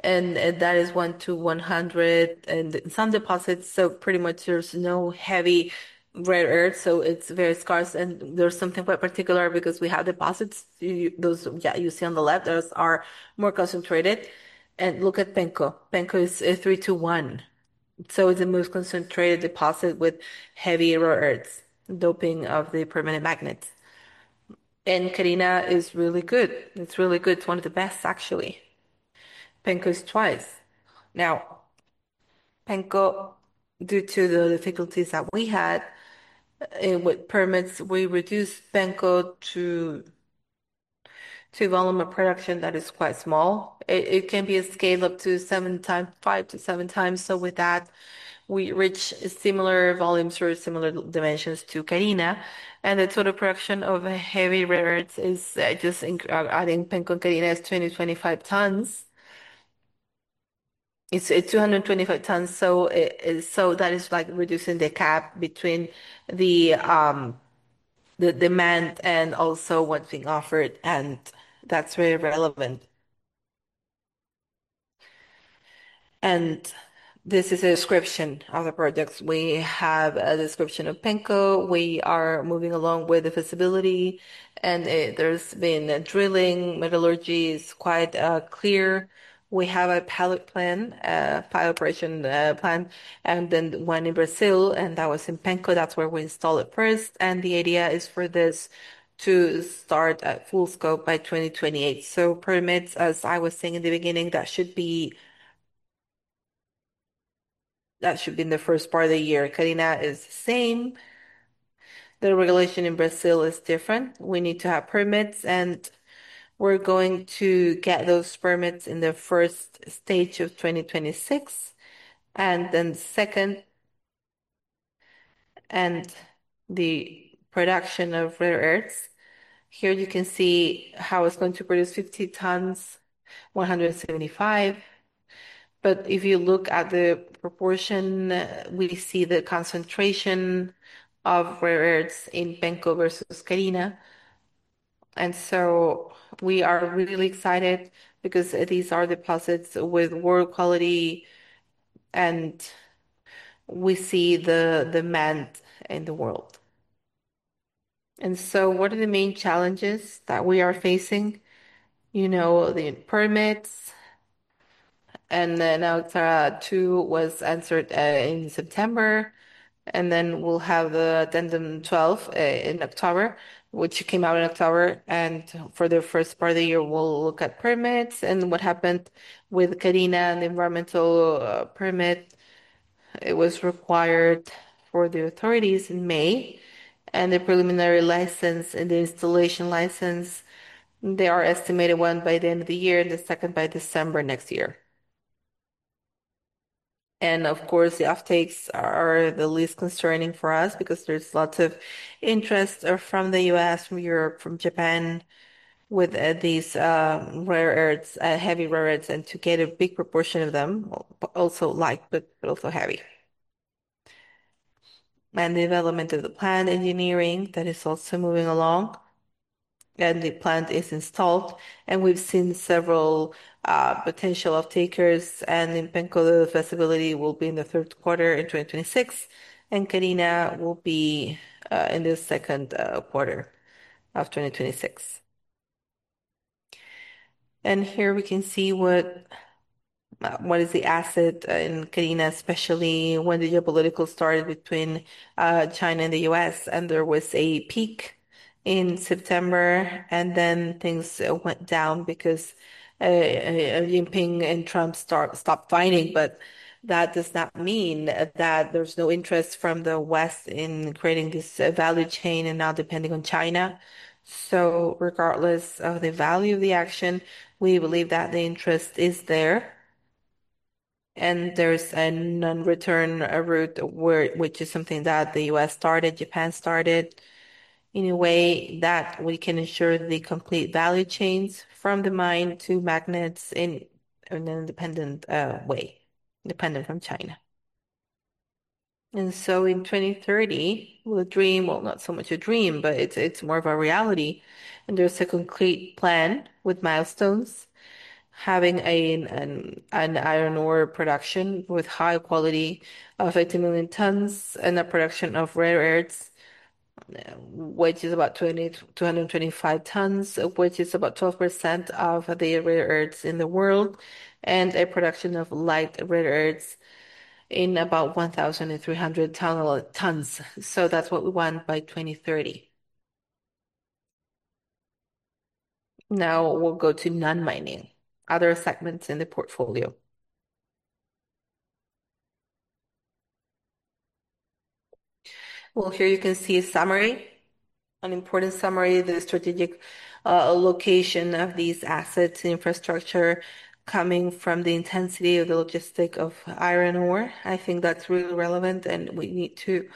and that is 1-100 in some deposits, so pretty much there's no heavy rare earths, so it's very scarce. There's something quite particular because we have deposits. Those, yeah, you see on the left, those are more concentrated. Look at Penco. Penco is a three to one, so it's the most concentrated deposit with heavy rare earths, doping of the permanent magnets. Carina is really good. It's really good. It's one of the best actually. Penco is twice. Now, Penco, due to the difficulties that we had with permits, we reduced Penco to a volume of production that is quite small. It can be scaled up to seven times, five to seven times. With that, we reach similar volumes or similar dimensions to Carina. The total production of heavy rare earths is just adding Penco and Carina is 20-25 tons. It's 225 tons, so that is like reducing the gap between the demand and also what's being offered, and that's very relevant. This is a description of the projects. We have a description of Penco. We are moving along with the feasibility, and there's been drilling. Metallurgy is quite clear. We have a pilot plant, full operation plan, and then one in Brazil, and that was in Penco. That's where we install it first. The idea is for this to start at full scope by 2028. Permits, as I was saying in the beginning, that should be in the first part of the year. Carina is the same. The regulation in Brazil is different. We need to have permits, and we're going to get those permits in the first stage of 2026. Then second, and the production of rare earths. Here you can see how it's going to produce 50 tons, 175. But if you look at the proportion, we see the concentration of rare earths in Penco versus Carina. We are really excited because these are deposits with world quality, and we see the demand in the world. What are the main challenges that we are facing? You know, the permits. Adenda II was answered in September, and then we'll have the Adenda 12 in October, which came out in October. For the first part of the year, we'll look at permits. What happened with Carina and the environmental permit, it was required for the authorities in May. The preliminary license and the installation license, they are estimated one by the end of the year and the second by December next year. Of course, the offtakes are the least concerning for us because there's lots of interest from the U.S., from Europe, from Japan, with these rare earths, heavy rare earths, and to get a big proportion of them, also light, but also heavy. The development of the plant engineering, that is also moving along. The plant is installed, and we've seen several potential off-takers. In Penco, the feasibility will be in the third quarter of 2026, and Carina will be in the second quarter of 2026. Here we can see what is the asset in Carina, especially when the geopolitical started between China and the U.S., and there was a peak in September, and then things went down because Jinping and Trump stopped fighting. That does not mean that there's no interest from the West in creating this value chain and not depending on China. Regardless of the value of the stock, we believe that the interest is there, and there's a non-return route where, which is something that the U.S. started, Japan started, in a way that we can ensure the complete value chains from the mine to magnets in an independent way, independent from China. In 2030, the dream. Well, not so much a dream, but it's more of a reality, and there's a concrete plan with milestones, having an iron ore production with high quality of 80 million tons and a production of rare earths, which is about 2,225 tons, which is about 12% of the rare earths in the world, and a production of light rare earths in about 1,300 tons. That's what we want by 2030. Now we'll go to non-mining, other segments in the portfolio. Well, here you can see a summary, an important summary, the strategic location of these assets and infrastructure coming from the intensity of the logistic of iron ore. I think that's really relevant, and we need to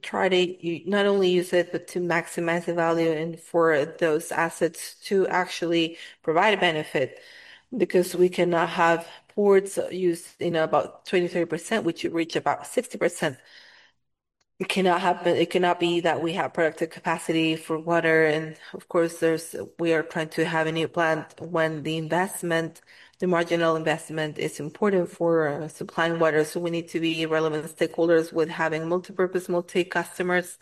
try to not only use it, but to maximize the value and for those assets to actually provide a benefit because we cannot have ports used in about 23%, which reach about 60%. It cannot be that we have productive capacity for water and of course, there's we are trying to have a new plant when the investment, the marginal investment is important for supplying water. We need to be relevant stakeholders with having multipurpose, multi customers.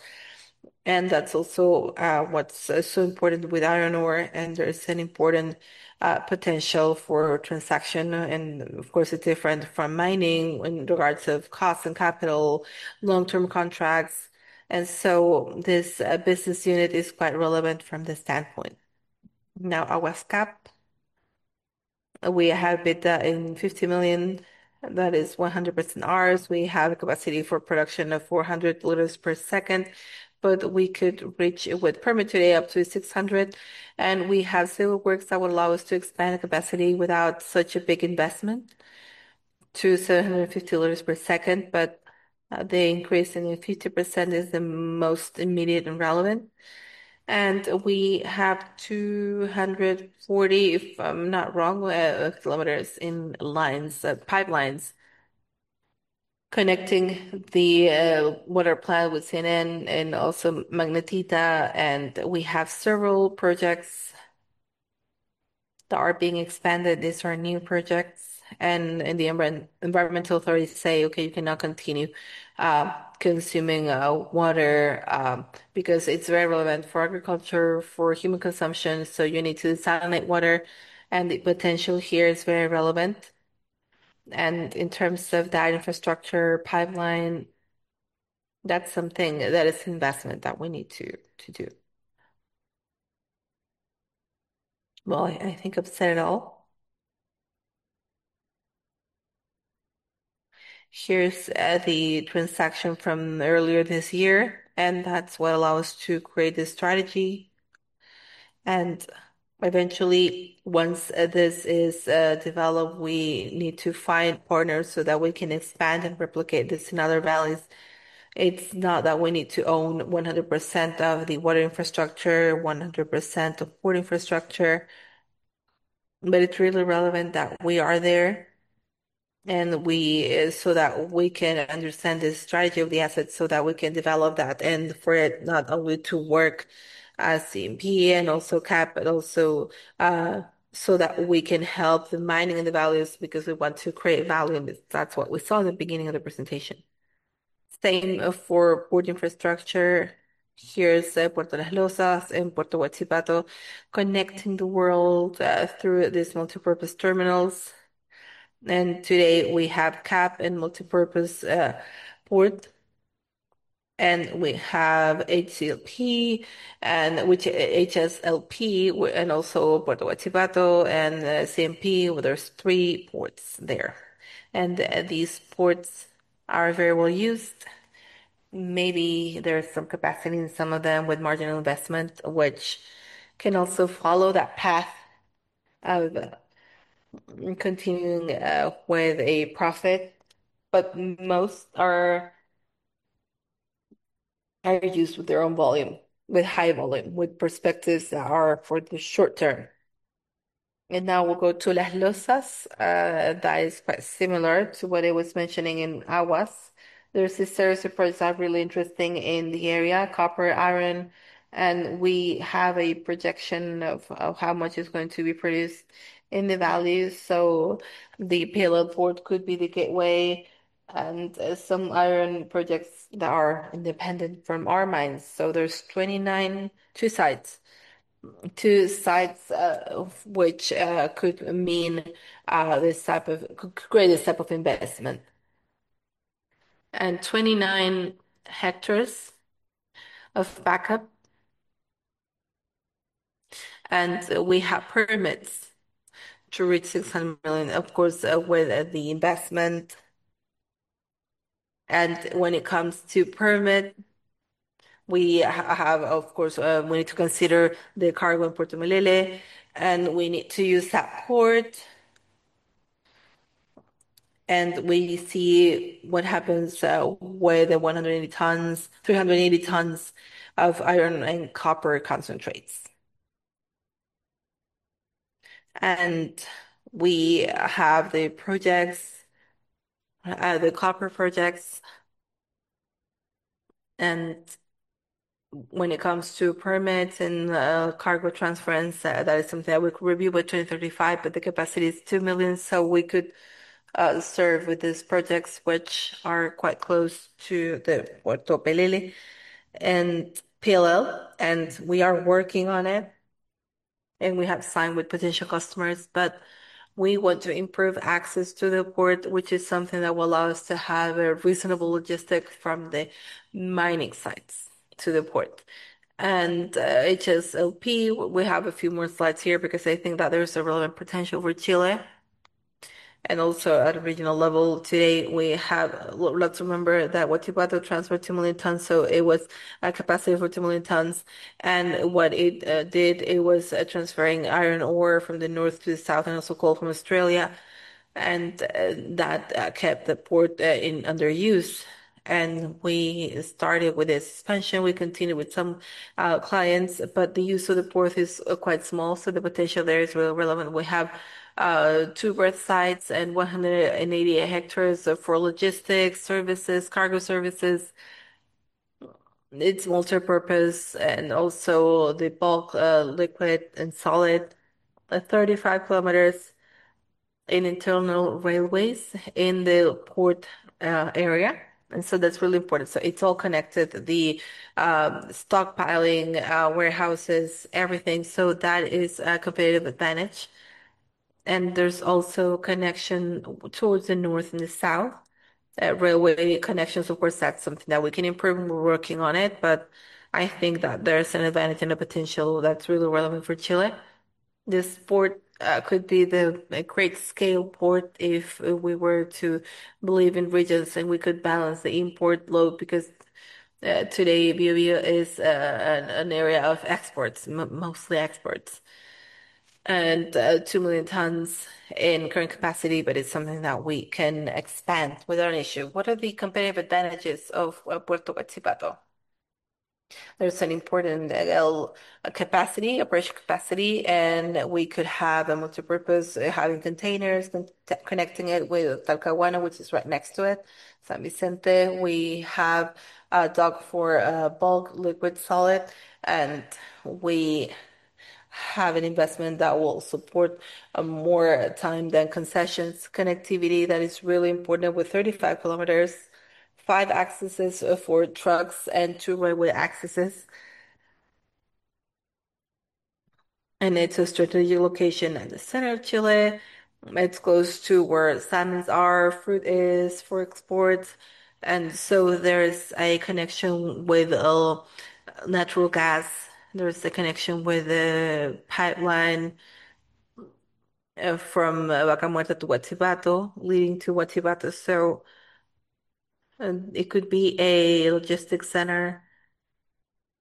That's also what's so important with iron ore, and there's an important potential for transaction. Of course, it's different from mining in regards of cost and capital, long-term contracts. This business unit is quite relevant from this standpoint. Now, Aguas CAP. We have debt in 50 million, that is 100% ours. We have a capacity for production of 400 liters per second, but we could reach with permit today up to 600. We have civil works that would allow us to expand the capacity without such a big investment to 750 liters per second. The increase in 50% is the most immediate and relevant. We have 240, if I'm not wrong, kilometers of lines, pipelines connecting the water plant with CMP and also Magnetita. We have several projects that are being expanded. These are new projects. Environmental authorities say, "Okay, you cannot continue consuming water because it's very relevant for agriculture, for human consumption, so you need to desalinate water." The potential here is very relevant. In terms of that infrastructure pipeline, that's something that is an investment that we need to do. Well, I think I've said it all. Here's the transaction from earlier this year, and that's what allow us to create this strategy. Eventually, once this is developed, we need to find partners so that we can expand and replicate this in other valleys. It's not that we need to own 100% of the water infrastructure, 100% of port infrastructure, but it's really relevant that we are there, and we so that we can understand the strategy of the assets so that we can develop that and for it not only to work as CMP and also CAP, but also, so that we can help the mining in the valleys because we want to create value, and that's what we saw in the beginning of the presentation. Same for port infrastructure. Here's Puerto Las Losas and Puerto Huachipato connecting the world through these multipurpose terminals. Today we have CAP and multipurpose port, and we have HCLP and HSLP and also Puerto Huachipato and CMP. There's 3 ports there. These ports are very well used. Maybe there's some capacity in some of them with marginal investment, which can also follow that path of continuing with a profit. Most are used with their own volume, with high volume, with perspectives that are for the short term. Now we'll go to Las Losas, that is quite similar to what I was mentioning in Aguas. There's a series of projects that are really interesting in the area, copper, iron, and we have a projection of how much is going to be produced in the valleys. The payload port could be the gateway. Some iron projects that are independent from our mines. There's 29 two sites, which could create this type of investment. 29 hectares of backup. We have permits to reach 600 million, of course, with the investment. When it comes to permit, we have, of course, we need to consider the cargo in Puerto Mejillones, and we need to use that port. We see what happens with the 180 tons, 380 tons of iron and copper concentrates. We have the projects, the copper projects. When it comes to permits and cargo transference, that is something that we could review with 2035, but the capacity is 2 million tons, so we could serve with these projects, which are quite close to the Puerto Mejillones and PLL, and we are working on it, and we have signed with potential customers. We want to improve access to the port, which is something that will allow us to have a reasonable logistic from the mining sites to the port. HSLP, we have a few more slides here because I think that there is a relevant potential for Chile and also at a regional level. Today, we have—Let's remember that Huachipato transferred two million tons, so it was a capacity for two million tons. What it did was transferring iron ore from the north to the south and also coal from Australia. That kept the port in underuse. We started with the suspension. We continued with some clients, but the use of the port is quite small, so the potential there is relevant. We have two berth sites and 188 hectares for logistics services, cargo services. It's multipurpose and also the bulk, liquid and solid. Thirty-five kilometers in internal railways in the port area, and that's really important. It's all connected. The stockpiling warehouses, everything, that is a competitive advantage. There's also connection towards the north and the south. That railway connection, of course, that's something that we can improve, and we're working on it. I think that there's an advantage and a potential that's really relevant for Chile. This port could be a great scale port if we were to believe in regions, and we could balance the import load because today Bio-Bío is an area of exports, mostly exports. two million tons in current capacity, but it's something that we can expand without an issue. What are the competitive advantages of Puerto de Huachipato? There's an important capacity, operation capacity, and we could have a multipurpose, having containers and connecting it with Talcahuano, which is right next to it. San Vicente, we have a dock for bulk, liquid, solid, and we have an investment that will support more time than concessions. Connectivity, that is really important with 35 kilometers, five accesses for trucks and two railway accesses. It's a strategic location in the center of Chile. It's close to where salmons are, fruit is for exports. There is a connection with natural gas. There's a connection with a pipeline from Vaca Muerta to Huachipato, leading to Huachipato. It could be a logistics center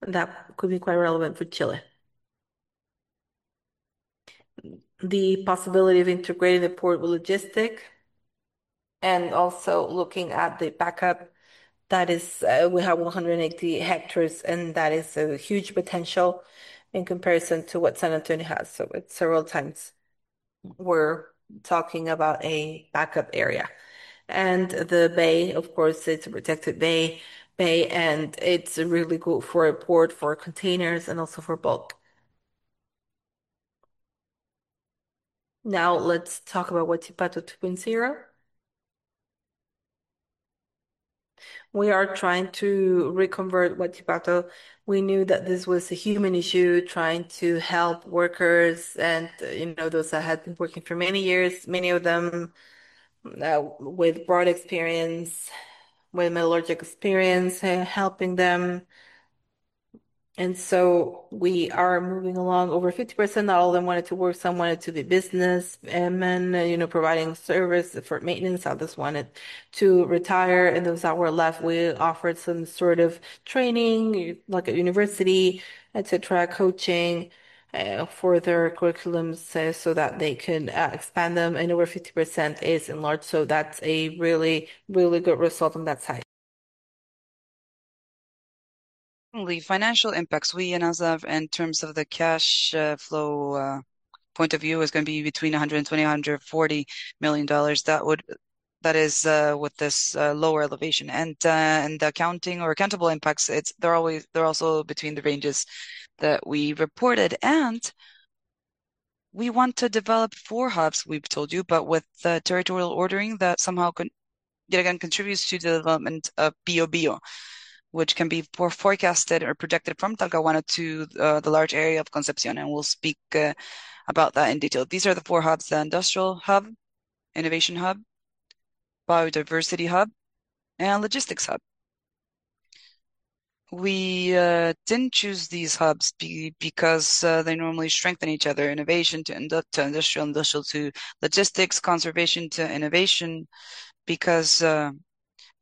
that could be quite relevant for Chile. The possibility of integrating the port with logistics and also looking at the backup, that is, we have 180 hectares, and that is a huge potential in comparison to what San Antonio has. It's several times we're talking about a backup area. The bay, of course, it's a protected bay, and it's really good for a port for containers and also for bulk. Now let's talk about Huachipato to clean zero. We are trying to reconvert Huachipato. We knew that this was a human issue, trying to help workers and, you know, those that had been working for many years, many of them, with broad experience, with metallurgic experience, helping them. We are moving along. Over 50% of all of them wanted to work. Some wanted to do business and then, you know, providing service for maintenance. Others wanted to retire. Those that were left, we offered some sort of training, like a university, et cetera, coaching, for their curriculum so that they can expand them. Over 50% is enlarged, so that's a really, really good result on that side. The financial impacts we announce of in terms of the cash flow point of view is gonna be between $120 million-$140 million. That is with this lower valuation. The accounting or accountable impacts, they're also between the ranges that we reported. We want to develop four hubs, we've told you, but with the territorial ordering that somehow yet again contributes to the development of Bío-Bío, which can be forecasted or projected from Talcahuano to the large area of Concepción, and we'll speak about that in detail. These are the four hubs, the industrial hub, innovation hub, biodiversity hub, and logistics hub. We then choose these hubs because they normally strengthen each other, innovation to industrial to logistics, conservation to innovation. Because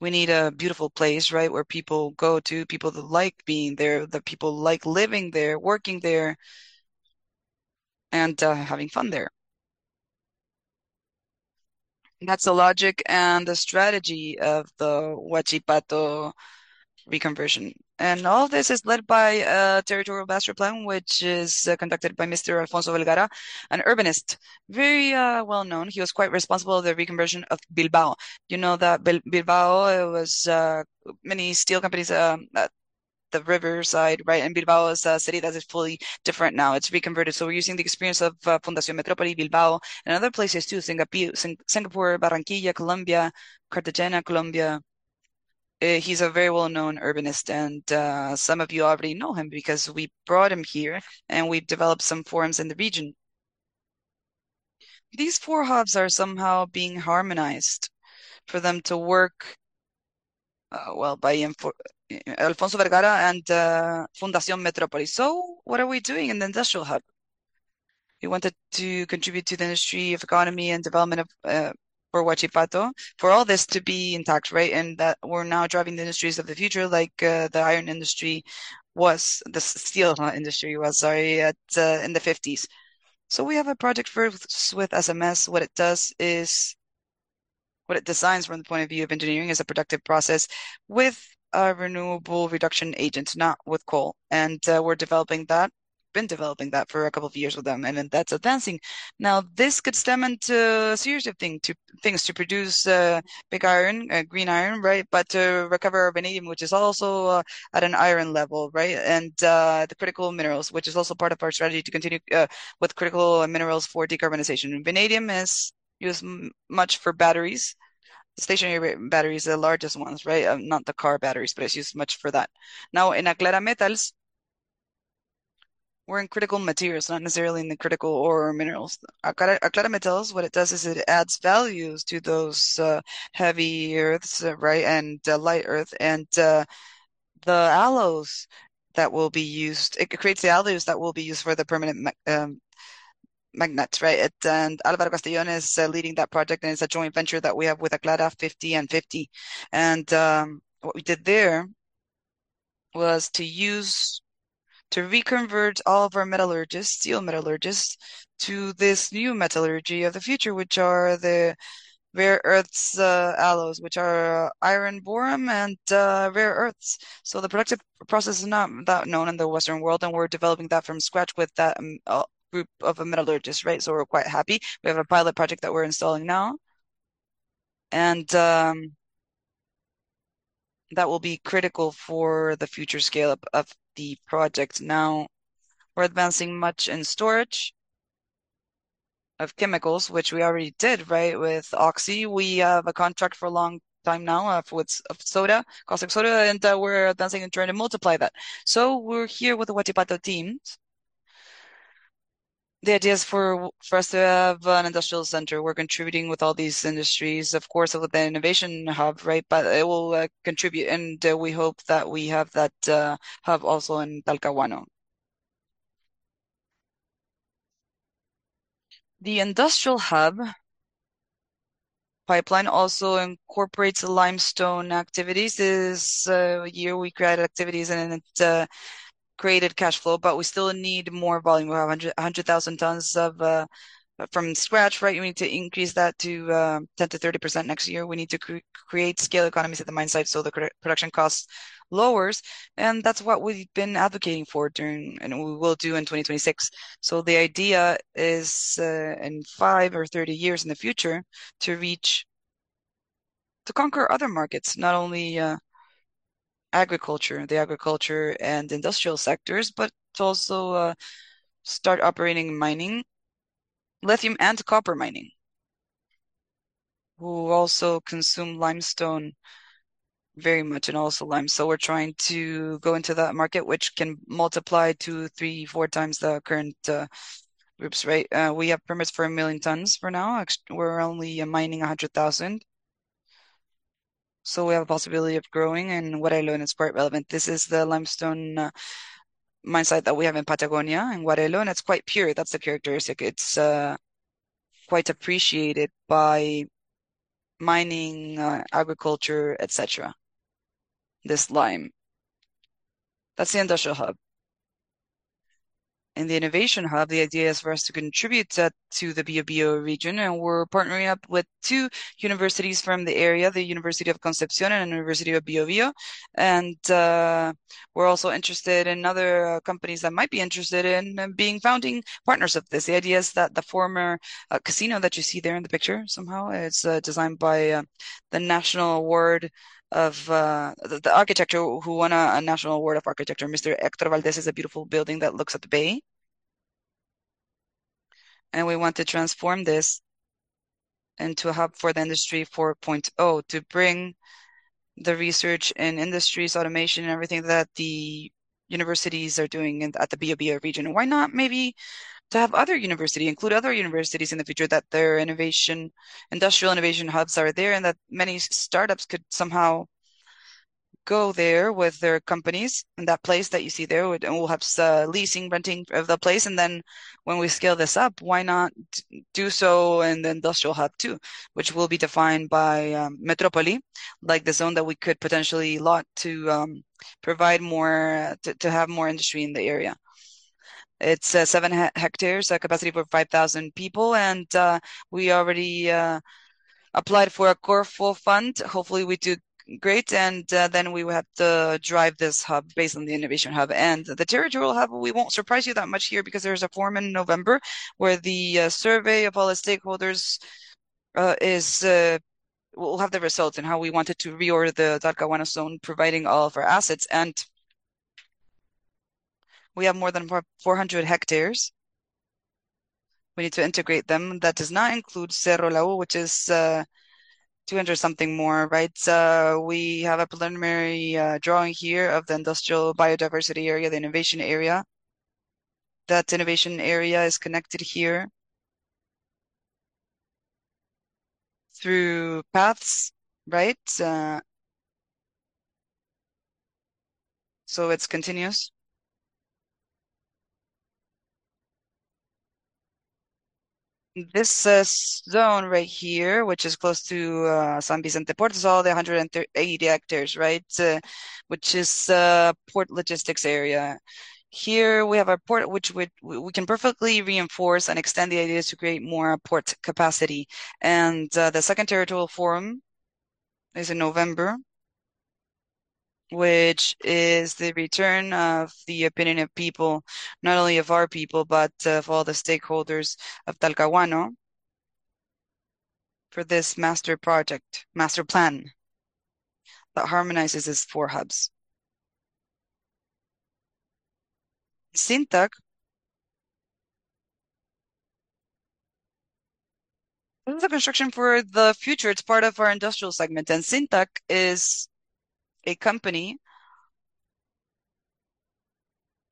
we need a beautiful place, right, where people go to, people that like being there, the people like living there, working there and having fun there. That's the logic and the strategy of the Huachipato reconversion. All this is led by a territorial master plan, which is conducted by Mr. Alfonso Vergara, an urbanist, very well known. He was quite responsible of the reconversion of Bilbao. You know that Bilbao was many steel companies, the river side, right? Bilbao is a city that is fully different now. It's reconverted. We're using the experience of Fundación Metrópoli Bilbao and other places too, Singapore, Barranquilla, Colombia, Cartagena, Colombia. He's a very well-known urbanist and some of you already know him because we brought him here and we've developed some forums in the region. These four hubs are somehow being harmonized for them to work well by Alfonso Vergara and Fundación Metrópoli. What are we doing in the industrial hub? We wanted to contribute to the industry of economy and development of for Huachipato, for all this to be intact, right? That we're now driving the industries of the future like the steel industry was, sorry, at in the 1950s. We have a project for with SMS. What it designs from the point of view of engineering is a productive process with a renewable reduction agent, not with coal. We're developing that. Been developing that for a couple of years with them, and then that's advancing. Now, this could stem into a series of things to produce, pig iron, green iron, right? But to recover vanadium, which is also at an iron level, right? The critical minerals, which is also part of our strategy to continue with critical minerals for decarbonization. Vanadium is used much for batteries, stationary batteries, the largest ones, right? Not the car batteries, but it's used much for that. Now, in Aclara Metals we're in critical materials, not necessarily in the critical ore minerals. Aclara Metals, what it does is it adds values to those heavy earths, right, and the light earth and the alloys that will be used. It creates the alloys that will be used for the permanent magnets, right? Álvaro Castillón is leading that project, and it's a joint venture that we have with Aclara, 50/50. What we did there was to use, to reconvert all of our metallurgists, steel metallurgists, to this new metallurgy of the future, which are the rare earths, alloys, which are iron boron and rare earths. The productive process is not that known in the Western world, and we're developing that from scratch with that group of metallurgists, right? We're quite happy. We have a pilot project that we're installing now. That will be critical for the future scale of the project. Now, we're advancing much in storage of chemicals, which we already did, right, with Oxiquim. We have a contract for a long time now with caustic soda, and we're advancing and trying to multiply that. We're here with the Huachipato team. The idea is for us to have an industrial center. We're contributing with all these industries, of course, with the innovation hub, right? It will contribute, and we hope that we have that hub also in Talcahuano. The industrial hub pipeline also incorporates limestone activities. This year we created activities and it created cash flow, but we still need more volume. We have 100,000 tons from scratch, right? We need to increase that to 10%-30% next year. We need to create scale economies at the mine site so the production costs lowers, and that's what we've been advocating for during, and we will do in 2026. The idea is, in five or 30 years in the future to reach, to conquer other markets, not only agriculture, the agriculture and industrial sectors, but to also start operating mining, lithium and copper mining, who also consume limestone very much and also lime. We're trying to go into that market, which can multiply to three, four times the current groups, right? We have permits for one million tons for now. We're only mining 100,000. We have a possibility of growing, and Guarello is quite relevant. This is the limestone mine site that we have in Patagonia. Guarello, it's quite pure. That's the characteristic. It's quite appreciated by mining, agriculture, et cetera, this lime. That's the industrial hub. In the innovation hub, the idea is for us to contribute to the Bío Bío region, and we're partnering up with two universities from the area, the University of Concepción and University of Bío-Bío. We're also interested in other companies that might be interested in being founding partners of this. The idea is that the former casino that you see there in the picture somehow it's designed by the national award of the architecture who won a national award of architecture, Mr. Héctor Valdés. It's a beautiful building that looks at the bay. We want to transform this into a hub for the Industry 4.0, to bring the research and industries automation and everything that the universities are doing at the Bío-Bío region. Why not maybe to have other university, include other universities in the future that their industrial innovation hubs are there and that many startups could somehow go there with their companies in that place that you see there. We'll have leasing, renting of the place and then when we scale this up, why not do so in the industrial hub too? Which will be defined by Metrópoli, like the zone that we could potentially lot to provide more to have more industry in the area. It's seven hectares, a capacity for 5,000 people and we already applied for a CORE Fund. Hopefully we do great and then we will have to drive this hub based on the innovation hub. The territorial hub, we won't surprise you that much here because there's a forum in November where the survey of all the stakeholders is. We'll have the results and how we wanted to reorder the Talcahuano zone providing all of our assets. We have more than 400 hectares. We need to integrate them. That does not include Cerro Lauk, which is 200 something more, right? We have a preliminary drawing here of the industrial biodiversity area, the innovation area. That innovation area is connected here through paths, right? So it's continuous. This zone right here, which is close to San Vicente Port. It's all 180 hectares, right? Which is port logistics area. Here we have a port which we can perfectly reinforce and extend the ideas to create more port capacity. The second territorial forum is in November, which is the return of the opinion of people, not only of our people, but of all the stakeholders of Talcahuano for this master project, master plan that harmonizes these four hubs. Cintac. This is a construction for the future. It's part of our industrial segment, and Cintac is a company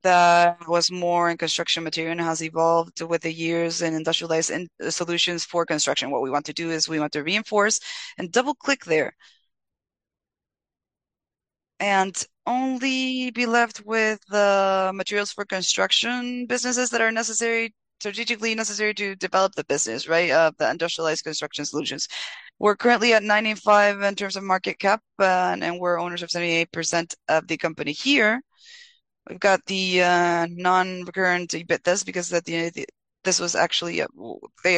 that was more in construction material and has evolved with the years in industrialized solutions for construction. What we want to do is we want to reinforce and double-click there and only be left with the materials for construction businesses that are necessary, strategically necessary to develop the business, right? The industrialized construction solutions. We're currently at $95 in terms of market cap, and we're owners of 78% of the company here. We've got the non-recurring EBITDAs because this was actually a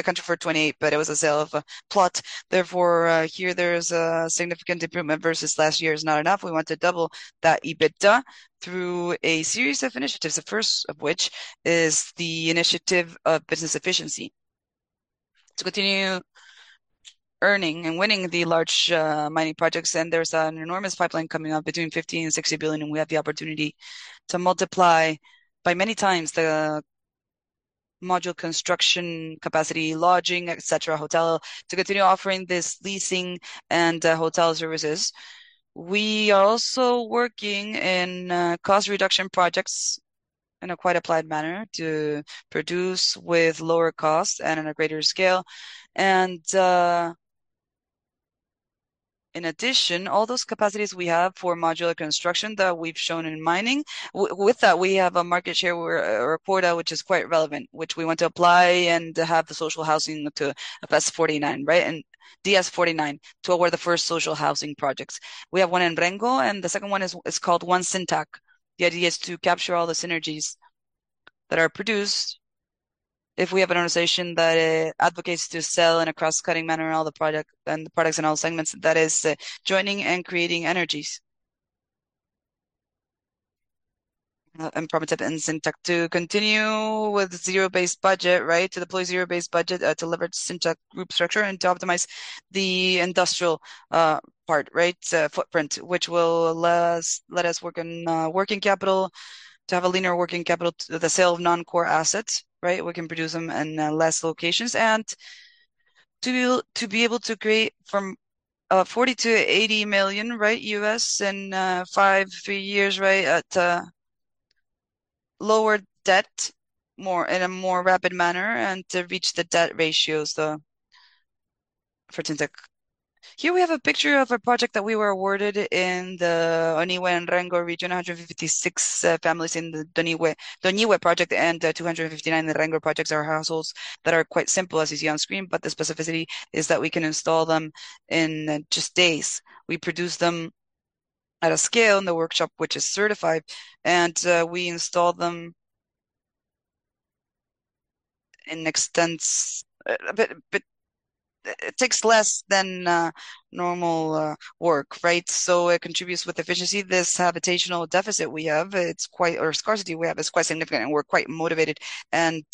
contract for $28, but it was a sale of a plot. Therefore, here there's a significant improvement versus last year, is not enough. We want to double that EBITDA through a series of initiatives, the first of which is the initiative of business efficiency to continue earning and winning the large mining projects. There's an enormous pipeline coming up between $50 billion-$60 billion, and we have the opportunity to multiply by many times the modular construction capacity, lodging, et cetera, hotel, to continue offering this leasing and hotel services. We are also working in cost reduction projects in a quite applied manner to produce with lower cost and on a greater scale. In addition, all those capacities we have for modular construction that we've shown in mining, with that, we have a market share we're proud of, which is quite relevant, which we want to apply and have the social housing to DS 49, right, and DS 49 toward the first social housing projects. We have one in Rengo, and the second one is called One Cintac. The idea is to capture all the synergies that are produced if we have an organization that advocates to sell in a cross-cutting manner all the products in all segments. That is, joining and creating energies. One Cintac to continue with zero-based budget, right? To deploy zero-based budget, to leverage Cintac group structure, and to optimize the industrial footprint, which will let us work on working capital, to have a leaner working capital, to the sale of non-core assets, right? We can produce them in less locations and to be able to create from $40 million-$80 million in five, three years, right? At lower debt, in a more rapid manner and to reach the debt ratios for Cintac. Here we have a picture of a project that we were awarded in the Doñihue and Rengo region. 156 families in the Doñihue project and 259 in the Rengo projects are households that are quite simple, as you see on screen, but the specificity is that we can install them in just days. We produce them at a scale in the workshop which is certified, and we install them. It takes less than normal work, right? It contributes with efficiency. This habitational deficit we have, or scarcity we have, is quite significant, and we're quite motivated and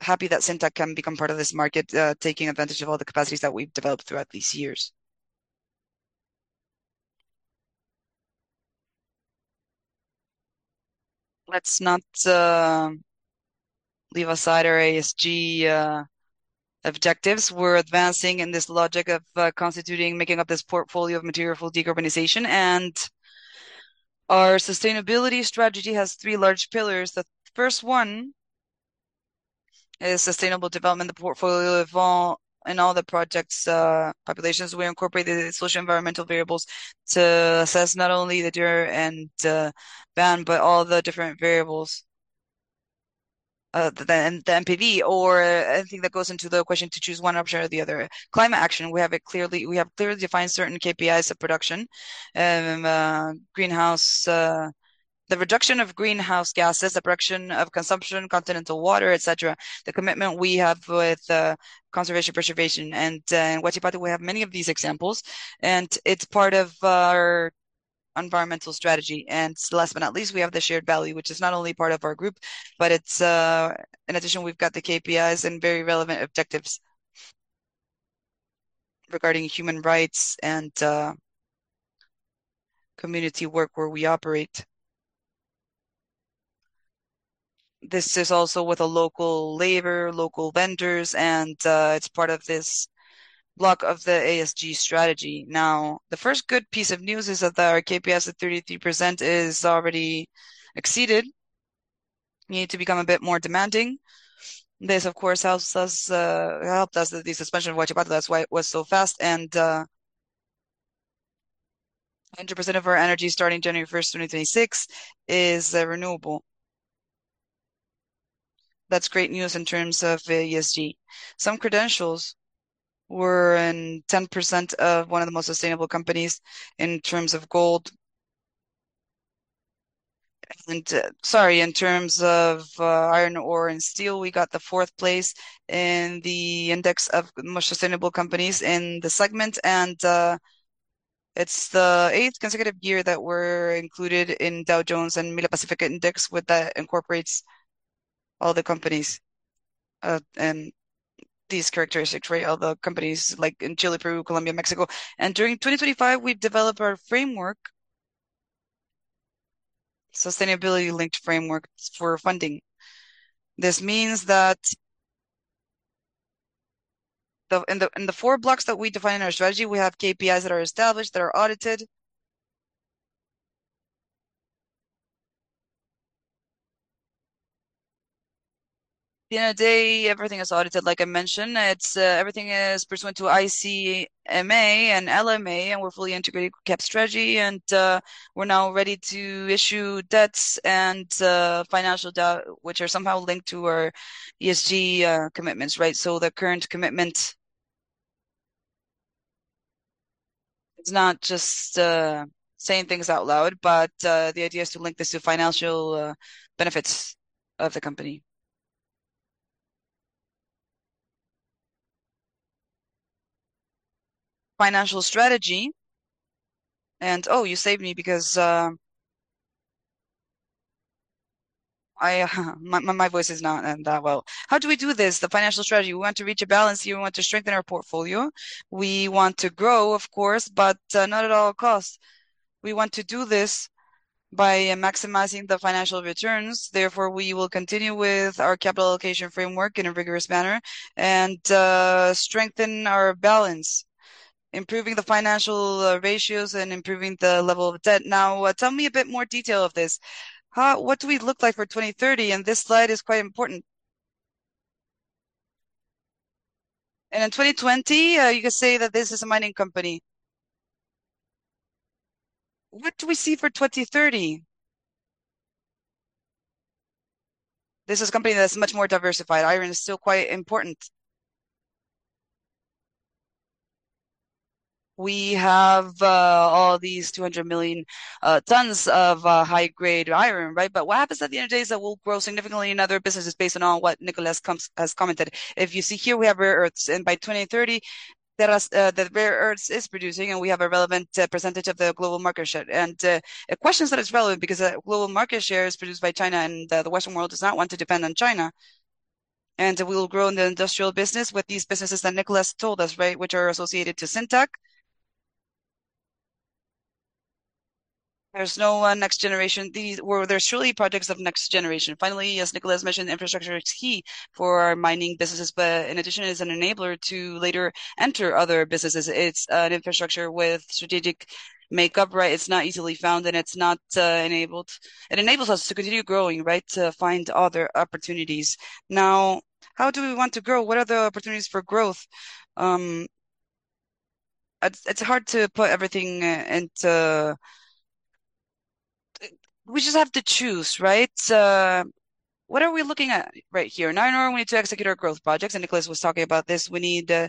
happy that Cintac can become part of this market, taking advantage of all the capacities that we've developed throughout these years. Let's not leave aside our ESG objectives. We're advancing in this logic of constituting, making up this portfolio of material for decarbonization, and our sustainability strategy has three large pillars. The first one is sustainable development. The portfolio involved in all the projects' populations, we incorporate the socio-environmental variables to assess all the different variables than the NPV or anything that goes into the question to choose one option or the other. Climate action, we have clearly defined certain KPIs of production, greenhouse, the reduction of greenhouse gases, the production, consumption of continental water, et cetera. The commitment we have with conservation, preservation and in Huachipato we have many of these examples, and it's part of our environmental strategy. Last but not least, we have the shared value, which is not only part of our group, but it's. In addition, we've got the KPIs and very relevant objectives regarding human rights and community work where we operate. This is also with local labor, local vendors, and it's part of this block of the ESG strategy. Now, the first good piece of news is that our KPIs at 33% is already exceeded. We need to become a bit more demanding. This, of course, helped us with the suspension of Huachipato. That's why it was so fast and 100% of our energy starting January 1, 2036 is renewable. That's great news in terms of ESG. Some credentials. We're in the top 10% of one of the most sustainable companies in the world. Sorry, in terms of iron ore and steel, we got the fourth place in the index of the most sustainable companies in the segment, and it's the eighth consecutive year that we're included in Dow Jones Sustainability MILA Pacific Alliance Index, with that incorporates all the companies and these characteristics, right? All the companies like in Chile, Peru, Colombia, Mexico. During 2025, we developed our framework, sustainability-linked frameworks for funding. This means that in the four blocks that we define in our strategy, we have KPIs that are established, that are audited. At the end of the day, everything is audited like I mentioned. It's everything is pursuant to ICMA and LMA, and we're fully integrated with CAP strategy and we're now ready to issue debts and financial debt which are somehow linked to our ESG commitments, right? The current commitments, it's not just saying things out loud, but the idea is to link this to financial benefits of the company. Financial strategy and oh, you saved me because I my voice is not that well. How do we do this, the financial strategy? We want to reach a balance here. We want to strengthen our portfolio. We want to grow, of course, but not at all costs. We want to do this by maximizing the financial returns. Therefore, we will continue with our capital allocation framework in a rigorous manner and strengthen our balance, improving the financial ratios and improving the level of debt. Now, tell me a bit more detail of this. What do we look like for 2030? This slide is quite important. In 2020, you can say that this is a mining company. What do we see for 2030? This is a company that's much more diversified. Iron is still quite important. We have all these 200 million tons of high-grade iron, right? But what happens at the end of the day is that we'll grow significantly in other businesses based on what Nicolas has commented. If you see here, we have rare earths, and by 2030, the rare earths is producing, and we have a relevant percentage of the global market share. A question that is relevant because the global market share is produced by China, and the Western world does not want to depend on China, and we will grow in the industrial business with these businesses that Nicolas told us, right? Which are associated to Cintac. There's no next generation. Well, there's truly projects of next generation. Finally, as Nicolas mentioned, infrastructure is key for our mining businesses, but in addition, it is an enabler to later enter other businesses. It's an infrastructure with strategic makeup, right? It's not easily found, and it's not enabled. It enables us to continue growing, right? To find other opportunities. Now, how do we want to grow? What are the opportunities for growth? It's hard to put everything into. We just have to choose, right? What are we looking at right here? Now, in order for me to execute our growth projects, and Nicolas was talking about this, we need to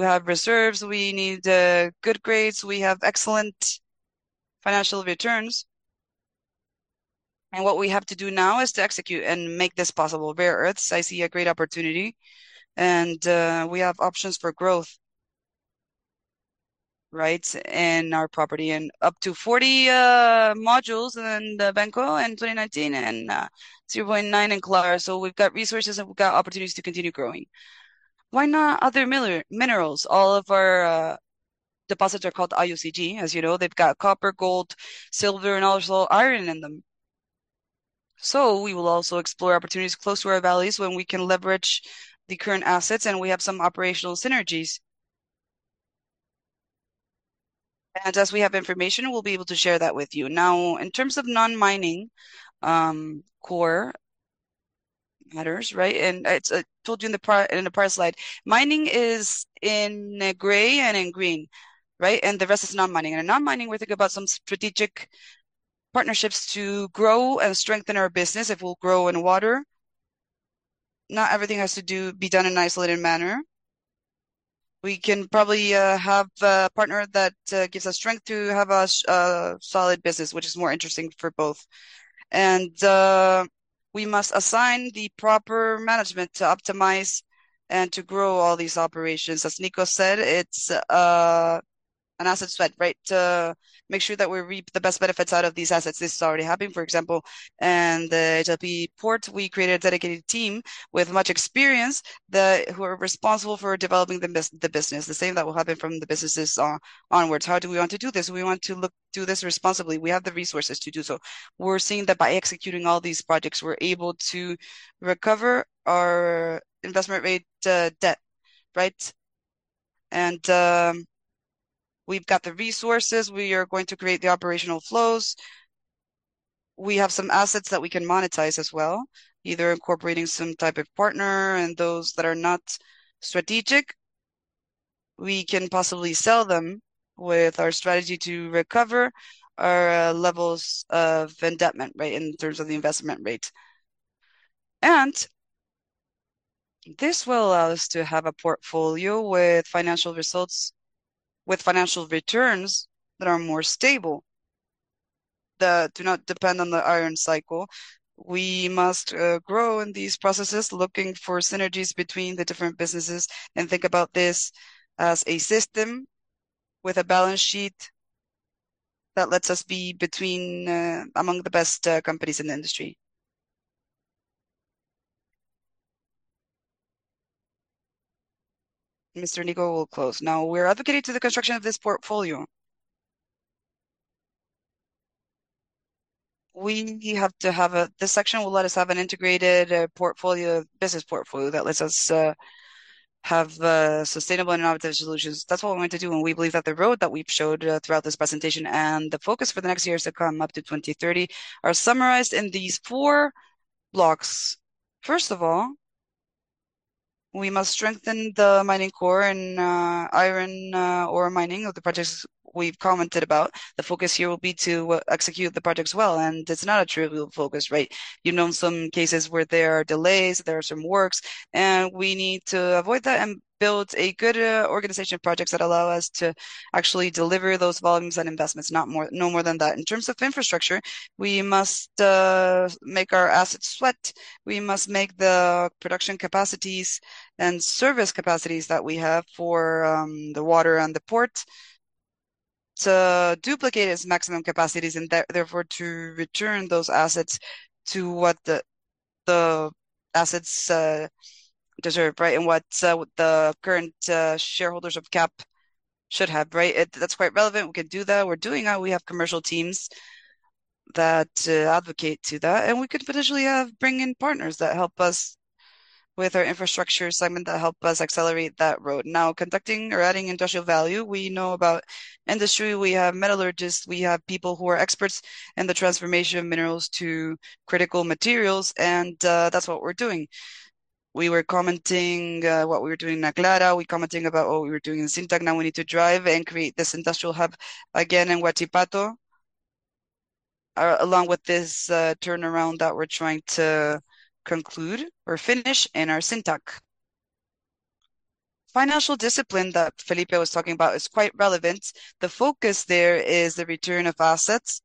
have reserves. We need good grades. We have excellent financial returns. What we have to do now is to execute and make this possible. Rare earths, I see a great opportunity, and we have options for growth, right? In our property and up to 40 modules in the Penco in 2019 and 3.9 in Aclara. So we've got resources, and we've got opportunities to continue growing. Why not other minerals? All of our deposits are called IOCG. As you know, they've got copper, gold, silver and also iron in them. We will also explore opportunities close to our valleys when we can leverage the current assets, and we have some operational synergies. As we have information, we'll be able to share that with you. Now, in terms of non-mining core matters, right? As I told you in the prior slide, mining is in gray and in green, right? The rest is non-mining. In non-mining, we think about some strategic partnerships to grow and strengthen our business. It will grow in water. Not everything has to be done in isolated manner. We can probably have a partner that gives us strength to have a solid business, which is more interesting for both. We must assign the proper management to optimize and to grow all these operations. As Nico said, it's an asset sweat, right? To make sure that we reap the best benefits out of these assets. This is already happening, for example, in the HLP port. We created a dedicated team with much experience who are responsible for developing the business, the same that will happen from the businesses onwards. How do we want to do this? We want to do this responsibly. We have the resources to do so. We're seeing that by executing all these projects, we're able to recover our investment-grade debt, right? We've got the resources. We are going to create the operational flows. We have some assets that we can monetize as well, either incorporating some type of partner and those that are not strategic, we can possibly sell them with our strategy to recover our levels of indebtedness, right, in terms of the investment rate. This will allow us to have a portfolio with financial results, with financial returns that are more stable, that do not depend on the iron cycle. We must grow in these processes, looking for synergies between the different businesses and think about this as a system with a balance sheet that lets us be between, among the best, companies in the industry. Mr. Nico will close. Now, we're advocating to the construction of this portfolio. This section will let us have an integrated, portfolio, business portfolio that lets us, have, sustainable and innovative solutions. That's what we're going to do, and we believe that the road that we've showed throughout this presentation and the focus for the next years to come up to 2030 are summarized in these four blocks. First of all, we must strengthen the mining core and iron ore mining of the projects we've commented about. The focus here will be to execute the projects well, and it's not a trivial focus, right? You know, in some cases where there are delays, there are some works, and we need to avoid that and build a good organization of projects that allow us to actually deliver those volumes and investments, no more than that. In terms of infrastructure, we must make our assets sweat. We must make the production capacities and service capacities that we have for the water and the port to duplicate its maximum capacities and therefore to return those assets to what the assets deserve, right? What the current shareholders of CAP should have, right? That's quite relevant. We can do that. We're doing that. We have commercial teams that advocate to that, and we could potentially bring in partners that help us with our infrastructure assignment, that help us accelerate that road. Now, conducting or adding industrial value, we know about industry. We have metallurgists, we have people who are experts in the transformation of minerals to critical materials, and that's what we're doing. We were commenting what we were doing in Aclara. We commenting about what we were doing in Cintac. Now we need to drive and create this industrial hub again in Huachipato. Along with this, turnaround that we're trying to conclude or finish in our Cintac. Financial discipline that Felipe was talking about is quite relevant. The focus there is the return on assets.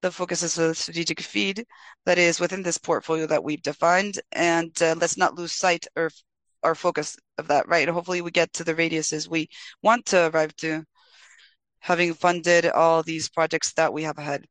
The focus is a strategic fit that is within this portfolio that we've defined. Let's not lose sight or focus of that, right? Hopefully, we get to the ratios we want to arrive to, having funded all these projects that we have ahead.